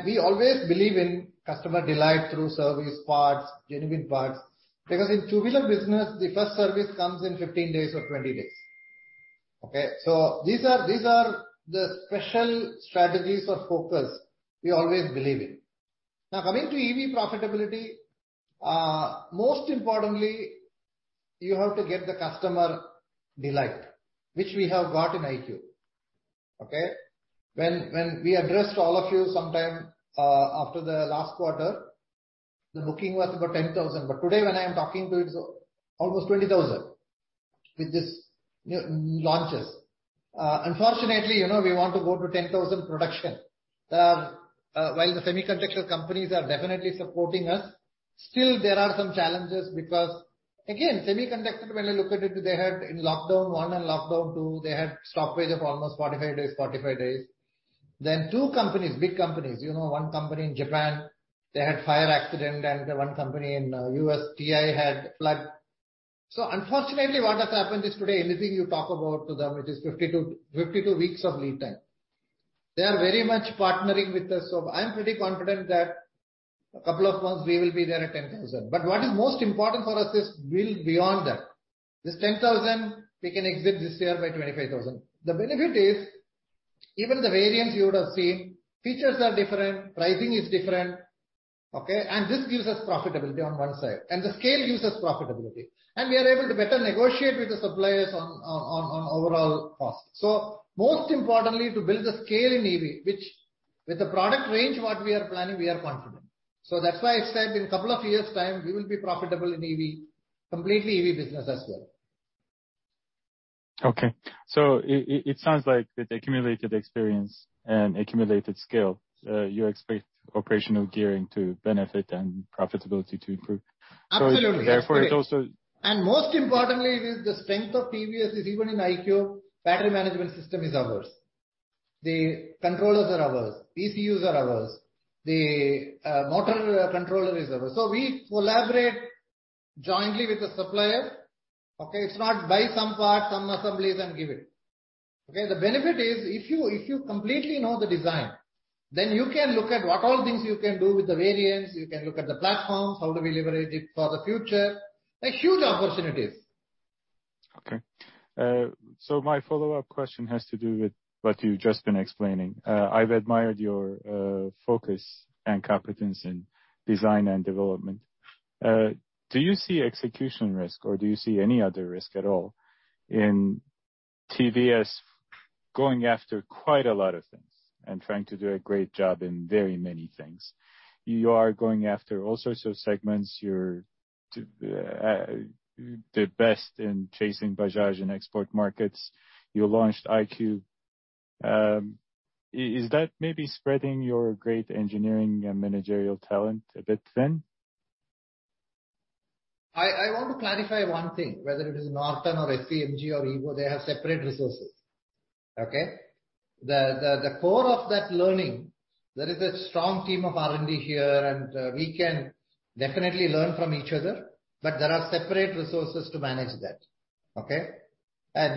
We always believe in customer delight through service parts, genuine parts. Because in two-wheeler business, the first service comes in 15 days or 20 days. These are the special strategies or focus we always believe in. Now, coming to EV profitability, most importantly, you have to get the customer delight, which we have got in iQube. Okay? When we addressed all of you sometime after the last quarter, the booking was about 10,000. Today when I am talking to you, it's almost 20,000 with these new launches. Unfortunately, you know, we want to go to 10,000 productions, while the semiconductor companies are definitely supporting us, still there are some challenges because, again, semiconductor, when I look at it, they had in lockdown one and lockdown two, they had stoppage of almost 45 days. Then two companies, big companies, you know, one company in Japan, they had fire accident, and one company in US, TI, had flood. Unfortunately, what has happened is today anything you talk about to them, it is 52 weeks of lead time. They are very much partnering with us. I'm pretty confident that a couple of months we will be there at 10,000. But what is most important for us is build beyond that. This 10,000 we can exit this year by 25,000. The benefit is even the variants you would have seen, features are different, pricing is different, okay? And this gives us profitability on one side, and the scale gives us profitability. And we are able to better negotiate with the suppliers on overall costs. Most importantly, to build the scale in EV, which with the product range, what we are planning, we are confident. that's why I said in a couple of years' time, we will be profitable in EV, completely EV business as well. Okay. It sounds like with accumulated experience and accumulated scale, you expect operational gearing to benefit and profitability to improve. Absolutely. So therefore it also- Most importantly is the strength of TVS is even in iQube, battery management system is ours. The controllers are ours. ECUs are ours. The motor controller is ours. We collaborate jointly with the supplier, okay? It's not buy some part, some assemblies, and give it, okay? The benefit is if you completely know the design, then you can look at what all things you can do with the variants. You can look at the platforms, how do we leverage it for the future. Like, huge opportunities. Okay. My follow-up question has to do with what you've just been explaining. I've admired your focus and competence in design and development. Do you see execution risk, or do you see any other risk at all in TVS going after quite a lot of things and trying to do a great job in very many things? You are going after all sorts of segments. You're the best in chasing Bajaj in export markets. You launched iQube. Is that maybe spreading your great engineering and managerial talent a bit thin? I want to clarify one thing, whether it is Norton or Swiss E-Mobility Group or EGO Movement, they have separate resources. Okay? The core of that learning, there is a strong team of R&D here, and we can definitely learn from each other, but there are separate resources to manage that. Okay?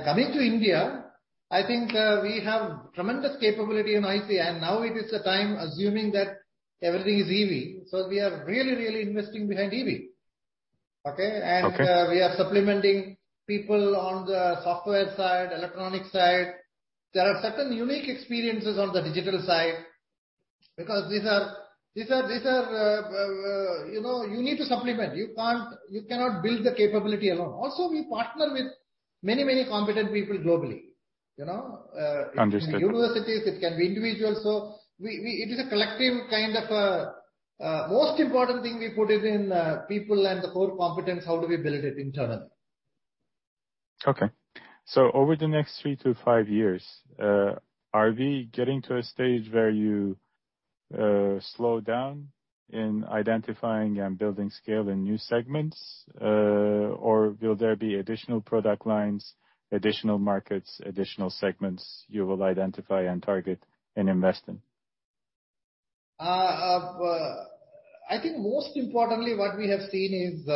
Coming to India, I think we have tremendous capability in ICE, and now it is the time assuming that everything is EV. We are really investing behind EV. Okay? Okay. We are supplementing people on the software side, electronic side. There are certain unique experiences on the digital side because these are, you know, you need to supplement. You cannot build the capability alone. Also, we partner with many competent people globally, you know? Understood. It can be universities, it can be individuals. It is a collective kind of most important thing we put it in people and the core competence, how do we build it internally? Okay. Over the next three to five years, are we getting to a stage where you slowdown in identifying and building scale in new segments? Or will there be additional product lines, additional markets, additional segments you will identify and target and invest in? I think most importantly what we have seen is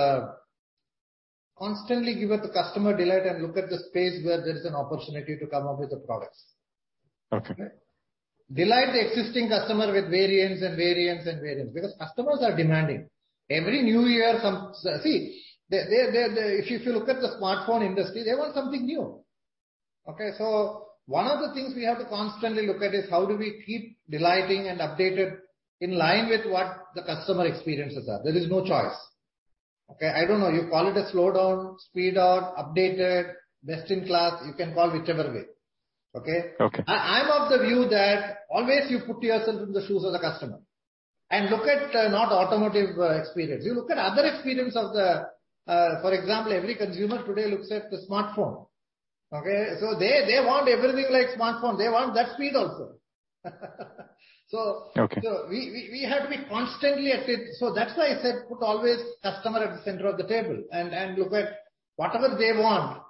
constantly give the customer delight and look at the space where there is an opportunity to come up with the products. Okay. Delight the existing customer with variants because customers are demanding. Every new year. See, they're if you look at the smartphone industry, they want something new. Okay? One of the things we have to constantly look at is how do we keep delighting and updated in line with what the customer experiences are. There is no choice. Okay? I don't know, you call it a slowdown, speed up, updated, best in class. You can call whichever way. Okay? Okay. I'm of the view that always you put yourself in the shoes of the customer and look at not automotive experience. You look at other experience of the, for example, every consumer today looks at the smartphone. Okay. They want everything like smartphone. They want that speed also. Okay. We have to be constantly at it. That's why I said put always customer at the center of the table and look at whatever they want.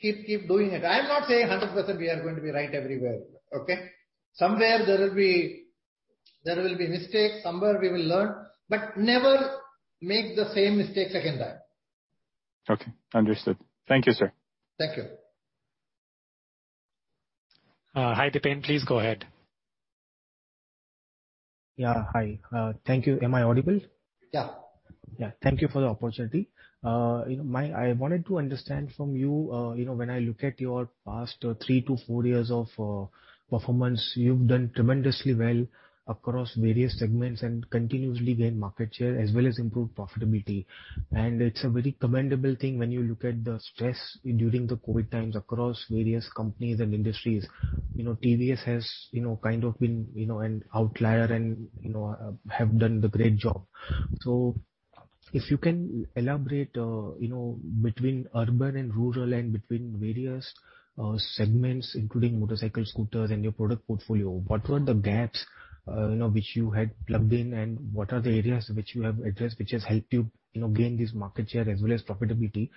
Keep doing it. I am not saying 100% we are going to be right everywhere, okay? Somewhere there will be mistakes. Somewhere we will learn. Never make the same mistake second time. Okay. Understood. Thank you, sir. Thank you. Hi, Dipen. Please go ahead. Yeah. Hi. Thank you. Am I audible? Yeah. Yeah. Thank you for the opportunity. I wanted to understand from you know, when I look at your past three to four years of performance, you've done tremendously well across various segments and continuously gain market share as well as improve profitability. It's a very commendable thing when you look at the stress during the COVID times across various companies and industries. You know, TVS has, you know, kind of been, you know, an outlier and, you know, have done the great job. If you can elaborate, you know, between urban and rural and between various segments, including motorcycles, scooters, and your product portfolio, what were the gaps, you know, which you had plugged in? What are the areas which you have addressed, which has helped you know, gain this market share as well as profitability?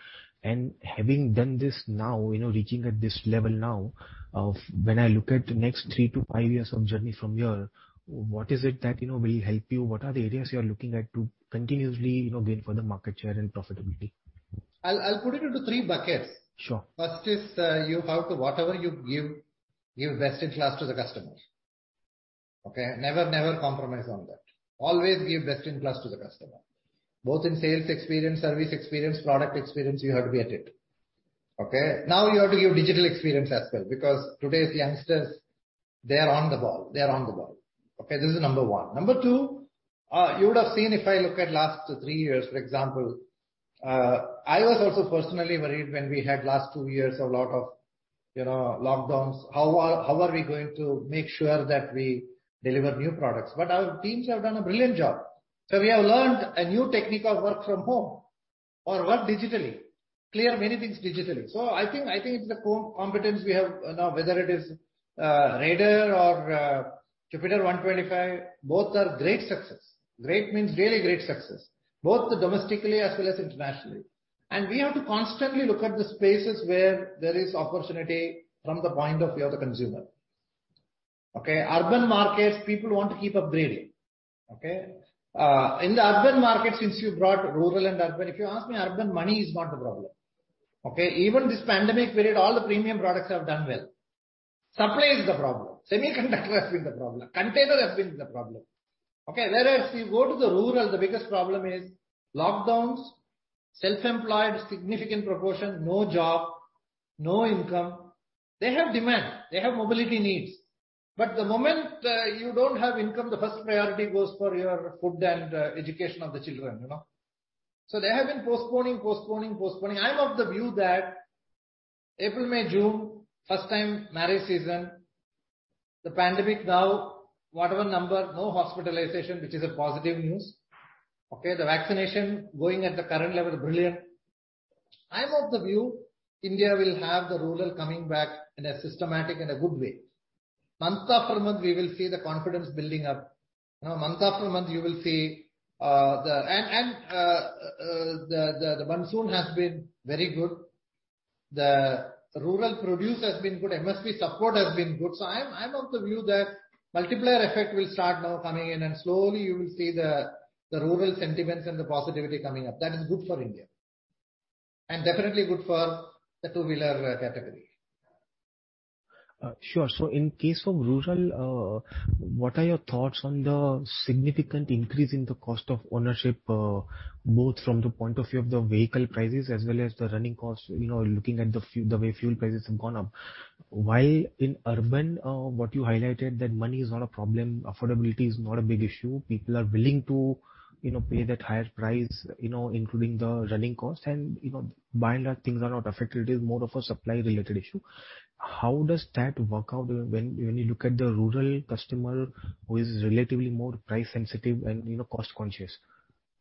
Having done this now, you know, reaching at this level now of when I look at the next three to five years of journey from here, what is it that you know will help you? What are the areas you are looking at to continuously, you know, gain further market share and profitability? I'll put it into three buckets. Sure. First is, you have to whatever you give best in class to the customer, okay? Never compromise on that. Always give best in class to the customer. Both in sales experience, service experience, product experience, you have to be at it, okay? Now you have to give digital experience as well, because today's youngsters, they are on the ball, okay? This is number one. Number two, you would have seen if I look at last three years, for example, I was also personally worried when we had last two years a lot of, you know, lockdowns. How are we going to make sure that we deliver new products? Our teams have done a brilliant job. We have learned a new technique of work from home or work digitally, clear many things digitally. I think it's the core competence we have now. Whether it is Raider or Jupiter 125, both are great success. Great means really great success, both domestically as well as internationally. We have to constantly look at the spaces where there is opportunity from the point of view of the consumer, okay? Urban markets, people want to keep upgrading, okay? In the urban markets, since you brought rural and urban, if you ask me urban, money is not the problem, okay? Even this pandemic period, all the premium products have done well. Supply is the problem. Semiconductor has been the problem. Container has been the problem, okay? Whereas if you go to the rural, the biggest problem is lockdowns. Self-employed, significant proportion, no job, no income. They have demand, they have mobility needs. The moment you don't have income, the first priority goes for your food and education of the children, you know? They have been postponing. I am of the view that April, May, June, first time marriage season. The pandemic now, whatever number, no hospitalization, which is a positive news. Okay, the vaccination going at the current level is brilliant. I am of the view India will have the rural coming back in a systematic and a good way. Month after month, we will see the confidence building up. You know, month after month, you will see the monsoon has been very good. The rural produce has been good. MSP support has been good. I am of the view that multiplier effect will start now coming in, and slowly you will see the rural sentiments and the positivity coming up. That is good for India and definitely good for the two-wheeler category. Sure. In case of rural, what are your thoughts on the significant increase in the cost of ownership, both from the point of view of the vehicle prices as well as the running costs, you know, looking at the way fuel prices have gone up. While in urban, what you highlighted that money is not a problem, affordability is not a big issue. People are willing to, you know, pay that higher price, you know, including the running cost. By and large, things are not affected. It is more of a supply related issue. How does that work out when you look at the rural customer who is relatively more price sensitive and, you know, cost conscious?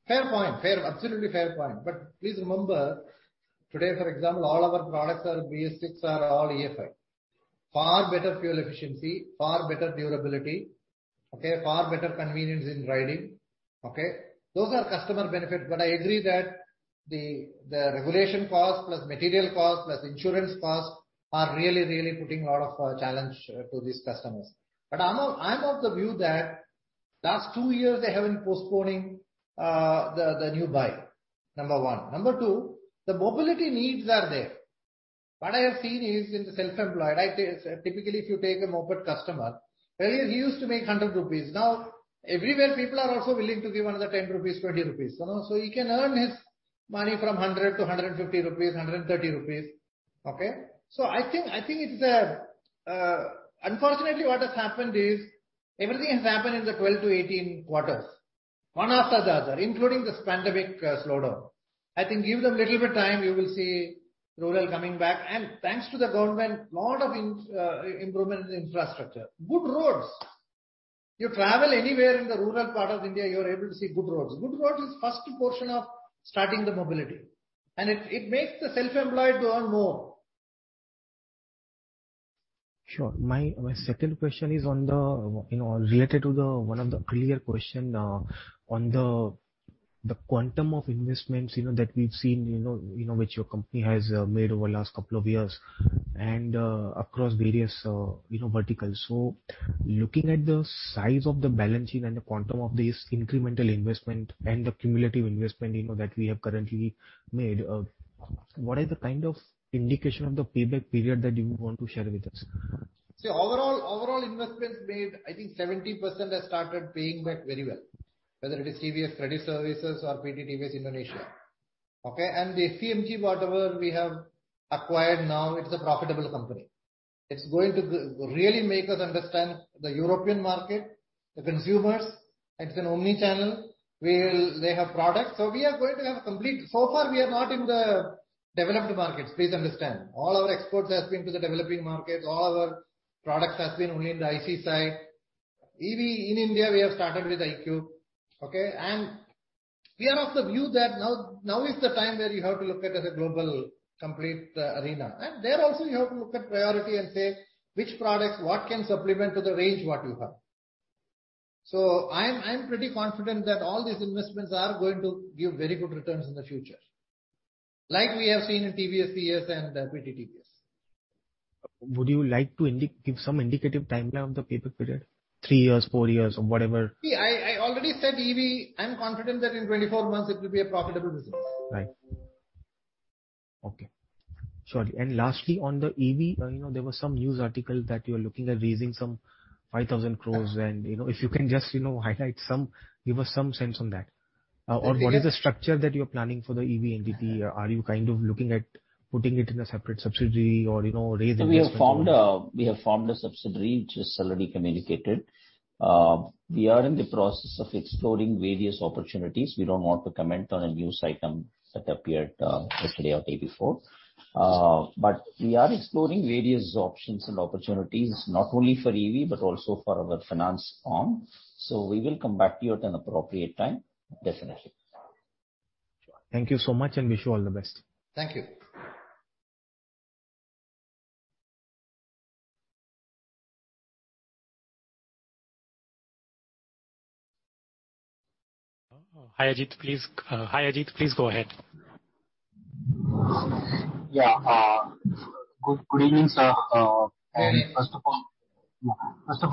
Fair point. Fair, absolutely fair point. Please remember today, for example, all our products are BS6, are all EFI. Far better fuel efficiency, far better durability, okay, far better convenience in riding, okay? Those are customer benefits. I agree that the regulation cost plus material cost plus insurance cost are really putting a lot of challenge to these customers. I'm of the view that last two years they have been postponing the new buy, number one. Number two, the mobility needs are there. What I have seen is in the self-employed, I say, typically if you take a moped customer, earlier he used to make 100 rupees. Now everywhere people are also willing to give another 10 rupees, 20 rupees, you know. He can earn his money from 100 to 150 rupees, 130 rupees, okay? I think unfortunately, what has happened is everything has happened in the 12-18 quarters, one after the other, including this pandemic slowdown. I think give them little bit time, you will see rural coming back. Thanks to the government, lot of improvement in infrastructure. Good roads. You travel anywhere in the rural part of India, you are able to see good roads. Good road is first portion of starting the mobility, and it makes the self-employed to earn more. Sure. My second question is on the you know related to the one of the earlier question on the quantum of investments you know that we've seen you know which your company has made over the last couple of years and across various you know verticals. Looking at the size of the balance sheet and the quantum of this incremental investment and the cumulative investment you know that we have currently made what is the kind of indication of the payback period that you would want to share with us? See, overall investments made, I think 70% has started paying back very well, whether it is TVS Credit Services or PT TVS Indonesia, okay? The FMG, whatever we have acquired now, it's a profitable company. It's going to really make us understand the European market, the consumers. It's an omni-channel. We will. They have products. So, we are going to have complete. So far, we are not in the developed markets, please understand. All our exports has been to the developing markets. All our products has been only in the ICE side. EV in India, we have started with iQube, okay? We are of the view that now is the time where you have to look at as a global complete arena. There also you have to look at priority and say which products, what can supplement to the range what you have. I'm pretty confident that all these investments are going to give very good returns in the future like we have seen in TVS Credit Services and PT TVS. Would you like to give some indicative timeline of the payback period, three years, four years or whatever? See, I already said EV, I'm confident that in 24 months it will be a profitable business. Right. Okay. Sorry. Lastly, on the EV, you know, there was some news article that you're looking at raising some 5,000 crore and, you know, if you can just, you know, give us some sense on that. Or what is the structure that you're planning for the EV entity? Are you kind of looking at putting it in a separate subsidiary or, you know, raise investment- We have formed a subsidiary which is already communicated. We are in the process of exploring various opportunities. We don't want to comment on a news item that appeared yesterday or day before. We are exploring various options and opportunities, not only for EV, but also for our finance arm. We will come back to you at an appropriate time, definitely. Thank you so much, and wish you all the best. Thank you. Hi, Ajit, please. Hi, Ajit, please go ahead. Yeah. Good evening, sir. First of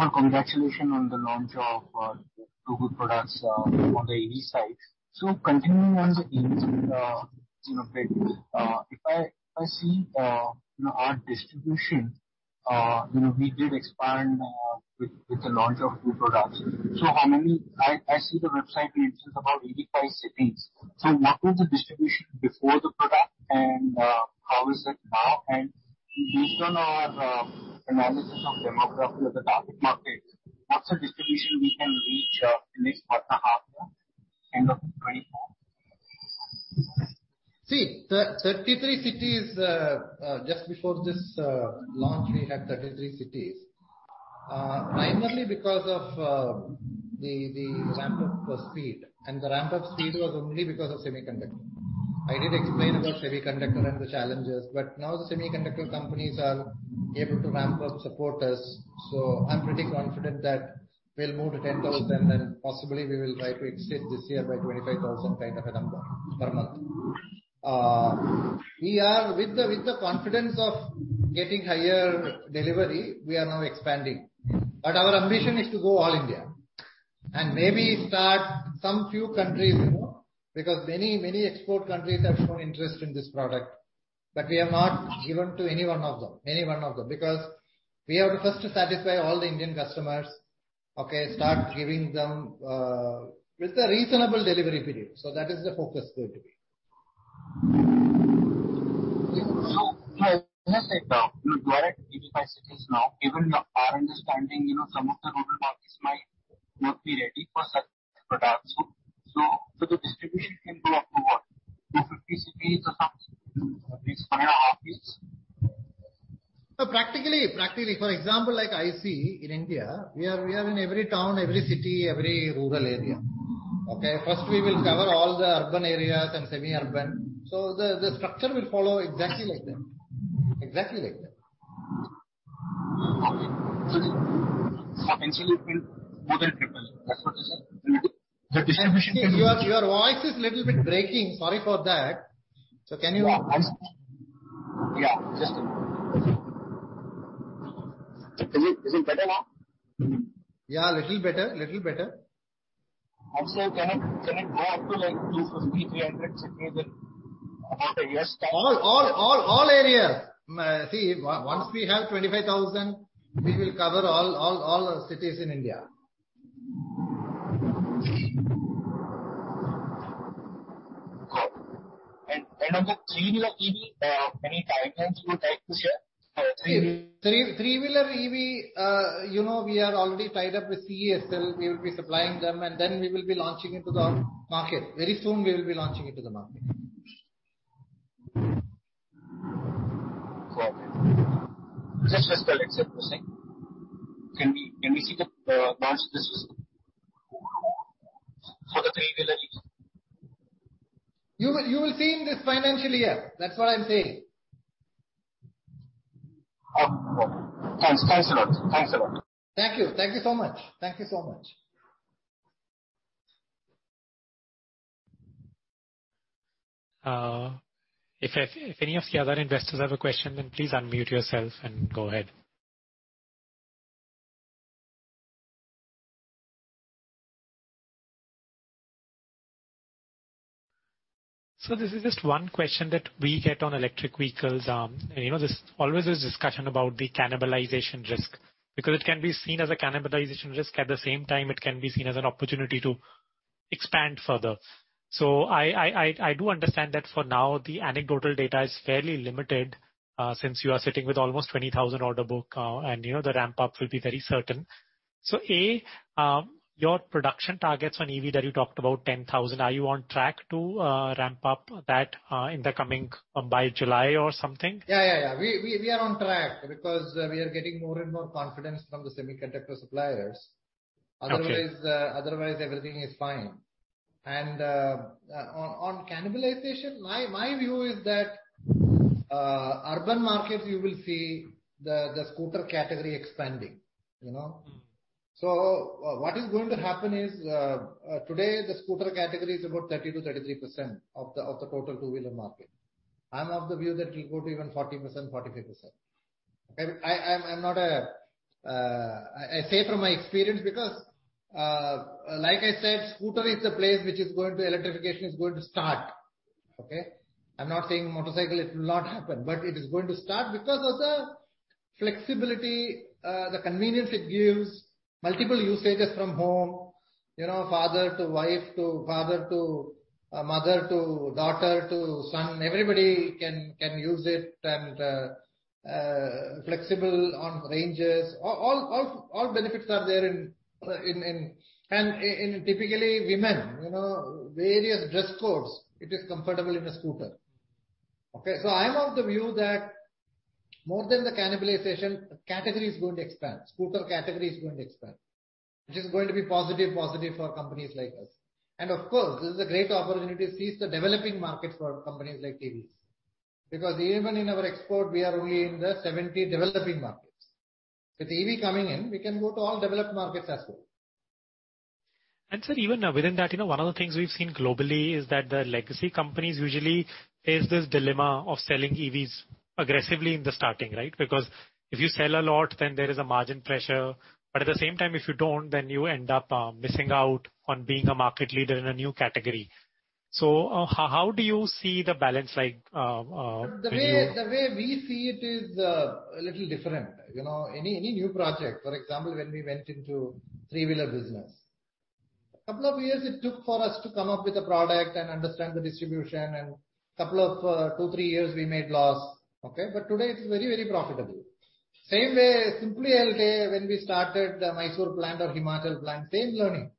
all, congratulations on the launch of two good products on the EV side. Continuing on the EV, you know, if I see our distribution, you know, we did expand with the launch of new products. How many? I see the website reaches about 85 cities. What was the distribution before the product and how is it now? Based on our analysis of demography of the target market, what's the distribution we can reach in this quarter half year, end of 2024? See, 33 cities just before this launch, we had 33 cities. Primarily because of the ramp up speed, and the ramp up speed was only because of semiconductor. I did explain about semiconductor and the challenges, but now the semiconductor companies are able to ramp up, support us, so I'm pretty confident that we'll move to 10,000 and possibly we will try to exceed this year by 25,000 kind of a number per month. We are with the confidence of getting higher delivery, we are now expanding. Our ambition is to go all India and maybe start some few countries, you know, because many export countries have shown interest in this product. We have not given to any one of them, because we have to first to satisfy all the Indian customers, okay. Start giving them with a reasonable delivery period. That is the focus going to be. As I said, you are at 85 cities now, given our understanding, you know, some of the rural markets might not be ready for such products. The distribution can go up to what? To 50 cities or something, at least 1.5 years? Practically, for example, like ICE in India, we are in every town, every city, every rural area. Okay? First we will cover all the urban areas and semi-urban. The structure will follow exactly like that. Okay. The potential is more than triple. That's what you're saying? The distribution. Your voice is little bit breaking. Sorry for that. Can you? Yeah. Yeah. Just a minute. Is it better now? Yeah, little better. Also, can it go up to like 250-300 cities in a matter of years' time? All areas. See, once we have 25,000, we will cover all cities in India. Cool. End of the three-wheeler EV, any timelines you would like to share for three- Three-wheeler EV, you know, we are already tied up with CESL. We will be supplying them, and then we will be launching into the market. Very soon, we will be launching into the market. Okay. Just fiscal, et cetera, you're saying? Can we, can we see the launch this fiscal for the three-wheeler EVs? You will see in this financial year. That's what I'm saying. Okay. Thanks a lot. Thank you. Thank you so much. Thank you so much. If any of the other investors have a question, then please unmute yourself and go ahead. This is just one question that we get on electric vehicles. You know, there's always this discussion about the cannibalization risk, because it can be seen as a cannibalization risk. At the same time, it can be seen as an opportunity to expand further. I do understand that for now, the anecdotal data is fairly limited, since you are sitting with almost 20,000 order book, and you know, the ramp up will be very certain. A, your production targets on EV that you talked about, 10,000, are you on track to ramp up that in the coming by July or something? Yeah. We are on track because we are getting more and more confidence from the semiconductor suppliers. Okay. Otherwise, everything is fine. On cannibalization, my view is that urban markets you will see the scooter category expanding, you know? Mm-hmm. What is going to happen is, today the scooter category is about 30%-33% of the total two-wheeler market. I'm of the view that it will go to even 40%, 45%. Okay? I say it from my experience because, like I said, scooter is a place which is going to electrification is going to start, okay? I'm not saying motorcycle it will not happen, but it is going to start because of the flexibility, the convenience it gives, multiple usages from home. You know, father to wife to father to mother to daughter to son, everybody can use it and flexible on ranges. All benefits are there in. And in typically women, you know, various dress codes, it is comfortable in a scooter. Okay? I'm of the view that more than the cannibalization, the category is going to expand. Scooter category is going to expand, which is going to be positive for companies like us. Of course, this is a great opportunity to seize the developing market for companies like TVS. Because even in our export, we are only in the 70 developing markets. With EV coming in, we can go to all developed markets as well. Sir, even within that, you know, one of the things we've seen globally is that the legacy companies usually face this dilemma of selling EVs aggressively in the starting, right? Because if you sell a lot, then there is a margin pressure. But at the same time, if you don't, then you end up missing out on being a market leader in a new category. How do you see the balance like with you? The way we see it is a little different. You know, any new project, for example, when we went into three-wheeler business, couple of years it took for us to come up with a product and understand the distribution and couple of two, three years we made loss. Okay? Today it is very, very profitable. Same way, simply I will say when we started the Mysore plant or Himachal plant, same learning.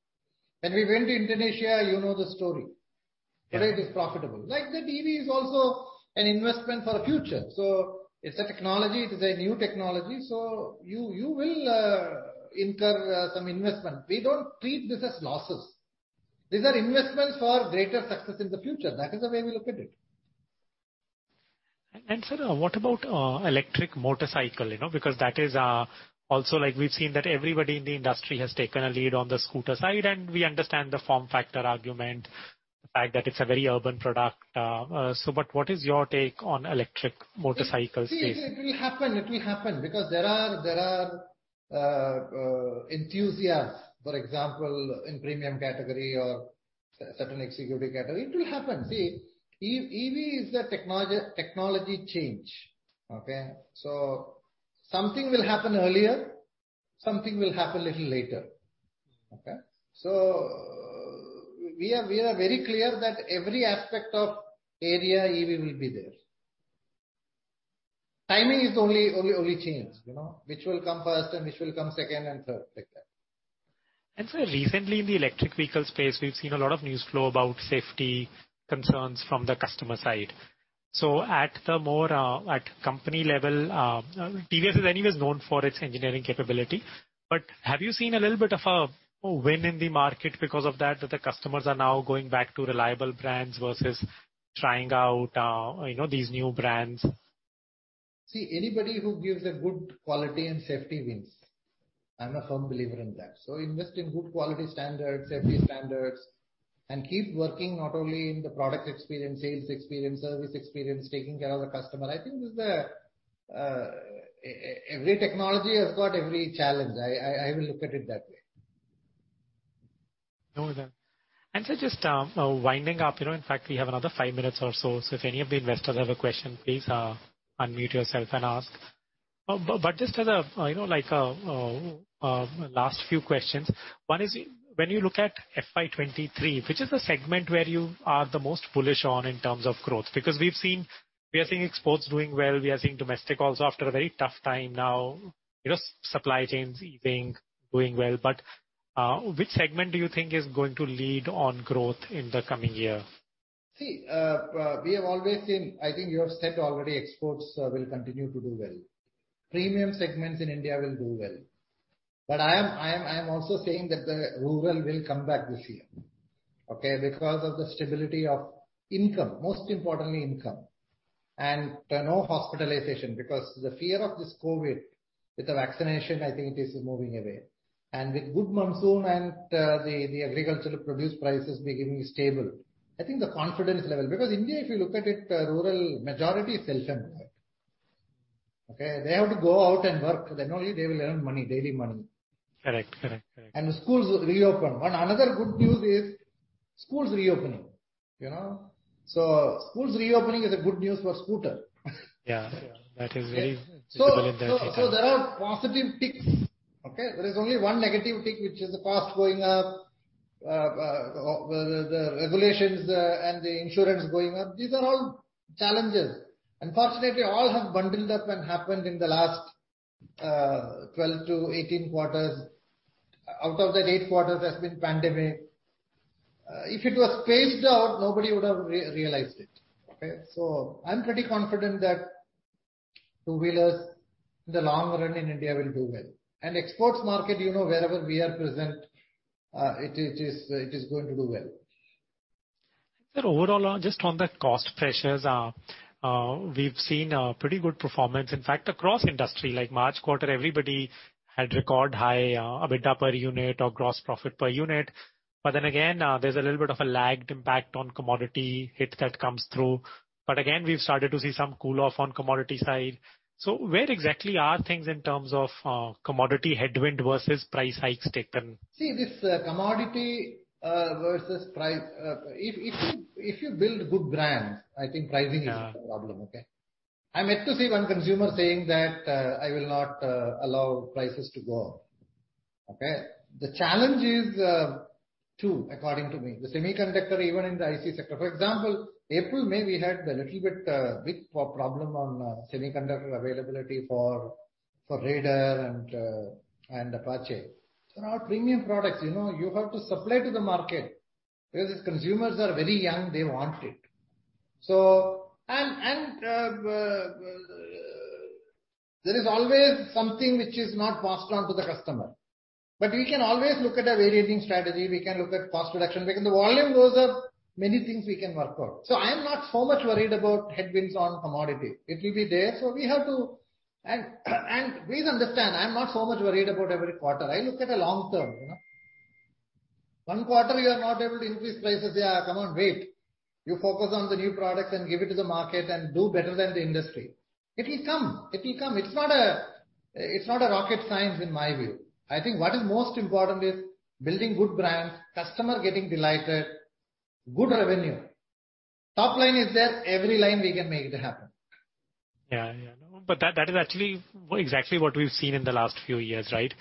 When we went to Indonesia, you know the story. Yeah. Today it is profitable. Like the TVS is also an investment for the future. It's a technology, it is a new technology, so you will incur some investment. We don't treat this as losses. These are investments for greater success in the future. That is the way we look at it. Sir, what about electric motorcycle? You know, because that is also like we've seen that everybody in the industry has taken a lead on the scooter side, and we understand the form factor argument, the fact that it's a very urban product. What is your take on electric motorcycles space? See, it will happen, because there are enthusiasts, for example, in premium category or certain executive category. It will happen. See, EV is a technology change. Okay? So, something will happen earlier, something will happen little later. Okay? So, we are very clear that every aspect of area, EV will be there. Timing is the only change, you know. Which will come first and which will come second and third, like that. Sir, recently in the electric vehicle space, we've seen a lot of news flow about safety concerns from the customer side. At company level, TVS is anyways known for its engineering capability. Have you seen a little bit of a win in the market because of that, the customers are now going back to reliable brands versus trying out, you know, these new brands? See, anybody who gives a good quality and safety wins. I'm a firm believer in that. Invest in good quality standards, safety standards, and keep working not only in the product experience, sales experience, service experience, taking care of the customer. I think every technology has got every challenge. I will look at it that way. No doubt. Sir, just winding up, you know, in fact we have another five minutes or so if any of the investors have a question, please unmute yourself and ask. Just as a, you know, like a last few questions. One is when you look at FY 2023, which is the segment where you are the most bullish on in terms of growth? Because we've seen, we are seeing exports doing well, we are seeing domestic also after a very tough time now. You know, supply chains easing, doing well. Which segment do you think is going to lead on growth in the coming year? I think you have said already exports will continue to do well. Premium segments in India will do well. I am also saying that the rural will come back this year, okay? Because of the stability of income, most importantly income. No hospitalization, because the fear of this COVID with the vaccination, I think it is moving away. With good monsoon and the agricultural produce prices becoming stable, I think the confidence level. Because India, if you look at it, rural majority is self-employed. Okay? They have to go out and work. Then only they will earn money, daily money. Correct. Schools reopen. Another good news is schools reopening, you know. Schools reopening is a good news for scooter. Yeah. Yeah. That is very suitable in that case, yeah. There are positive ticks. Okay? There is only one negative tick, which is the cost going up, the regulations, and the insurance going up. These are all challenges. Unfortunately, all have bundled up and happened in the last 12-18 quarters. Out of that, eight quarters has been pandemic. If it was spaced out, nobody would have realized it. Okay? I'm pretty confident two-wheelers in the long run in India will do well. Exports market, you know, wherever we are present, it is going to do well. Sir, overall, just on the cost pressures, we've seen a pretty good performance. In fact, across industry, like March quarter, everybody had record high EBITDA per unit or gross profit per unit. There's a little bit of a lagged impact on commodity hit that comes through. We've started to see some cool off on commodity side. Where exactly are things in terms of commodity headwind versus price hikes taken? See this, commodity versus price. If you build good brands, I think pricing is not a problem, okay? I'm yet to see one consumer saying that, "I will not allow prices to go up." Okay? The challenge is two, according to me. The semiconductor, even in the ICE sector. For example, April, May, we had a little bit problem on semiconductor availability for Raider and Apache. They're our premium products, you know. You have to supply to the market because these consumers are very young, they want it. There is always something which is not passed on to the customer. We can always look at a varying strategy. We can look at cost reduction. The volume goes up, many things we can work out. I am not so much worried about headwinds on commodity. It will be there, so we have to. Please understand, I'm not so much worried about every quarter. I look at the long term, you know. One quarter you are not able to increase prices. Yeah, come on, wait. You focus on the new products and give it to the market and do better than the industry. It'll come. It'll come. It's not a rocket science in my view. I think what is most important is building good brands, customer getting delighted, good revenue. Top line is there, every line we can make it happen. Yeah. Yeah. That is actually exactly what we've seen in the last few years, right?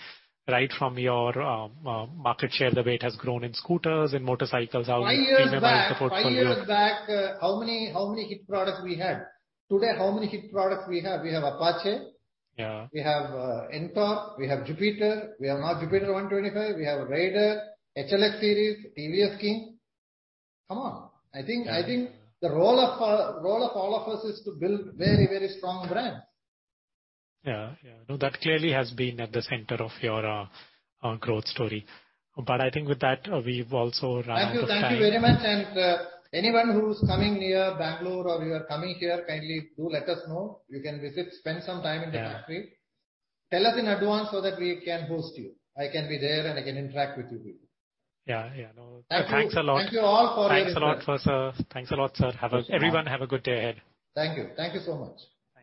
Right from your market share, the way it has grown in scooters and motorcycles, how you've been able to support. Five years back, how many hit products we had? Today, how many hit products we have? We have Apache. Yeah. We have Ntorq, we have Jupiter, we have now Jupiter 125, we have Raider, HLX series, TVS King. Come on. I think the role of all of us is to build very, very strong brands. Yeah. Yeah. No, that clearly has been at the center of your growth story. I think with that, we've also run out of time. Thank you. Thank you very much. Anyone who's coming near Bangalore or you are coming here, kindly do let us know. You can visit, spend some time in the factory. Yeah. Tell us in advance so that we can host you. I can be there, and I can interact with you people. Yeah, no, thanks a lot. Thank you all for your interest. Thanks a lot, sir. Thank you. Everyone, have a good day ahead. Thank you. Thank you so much.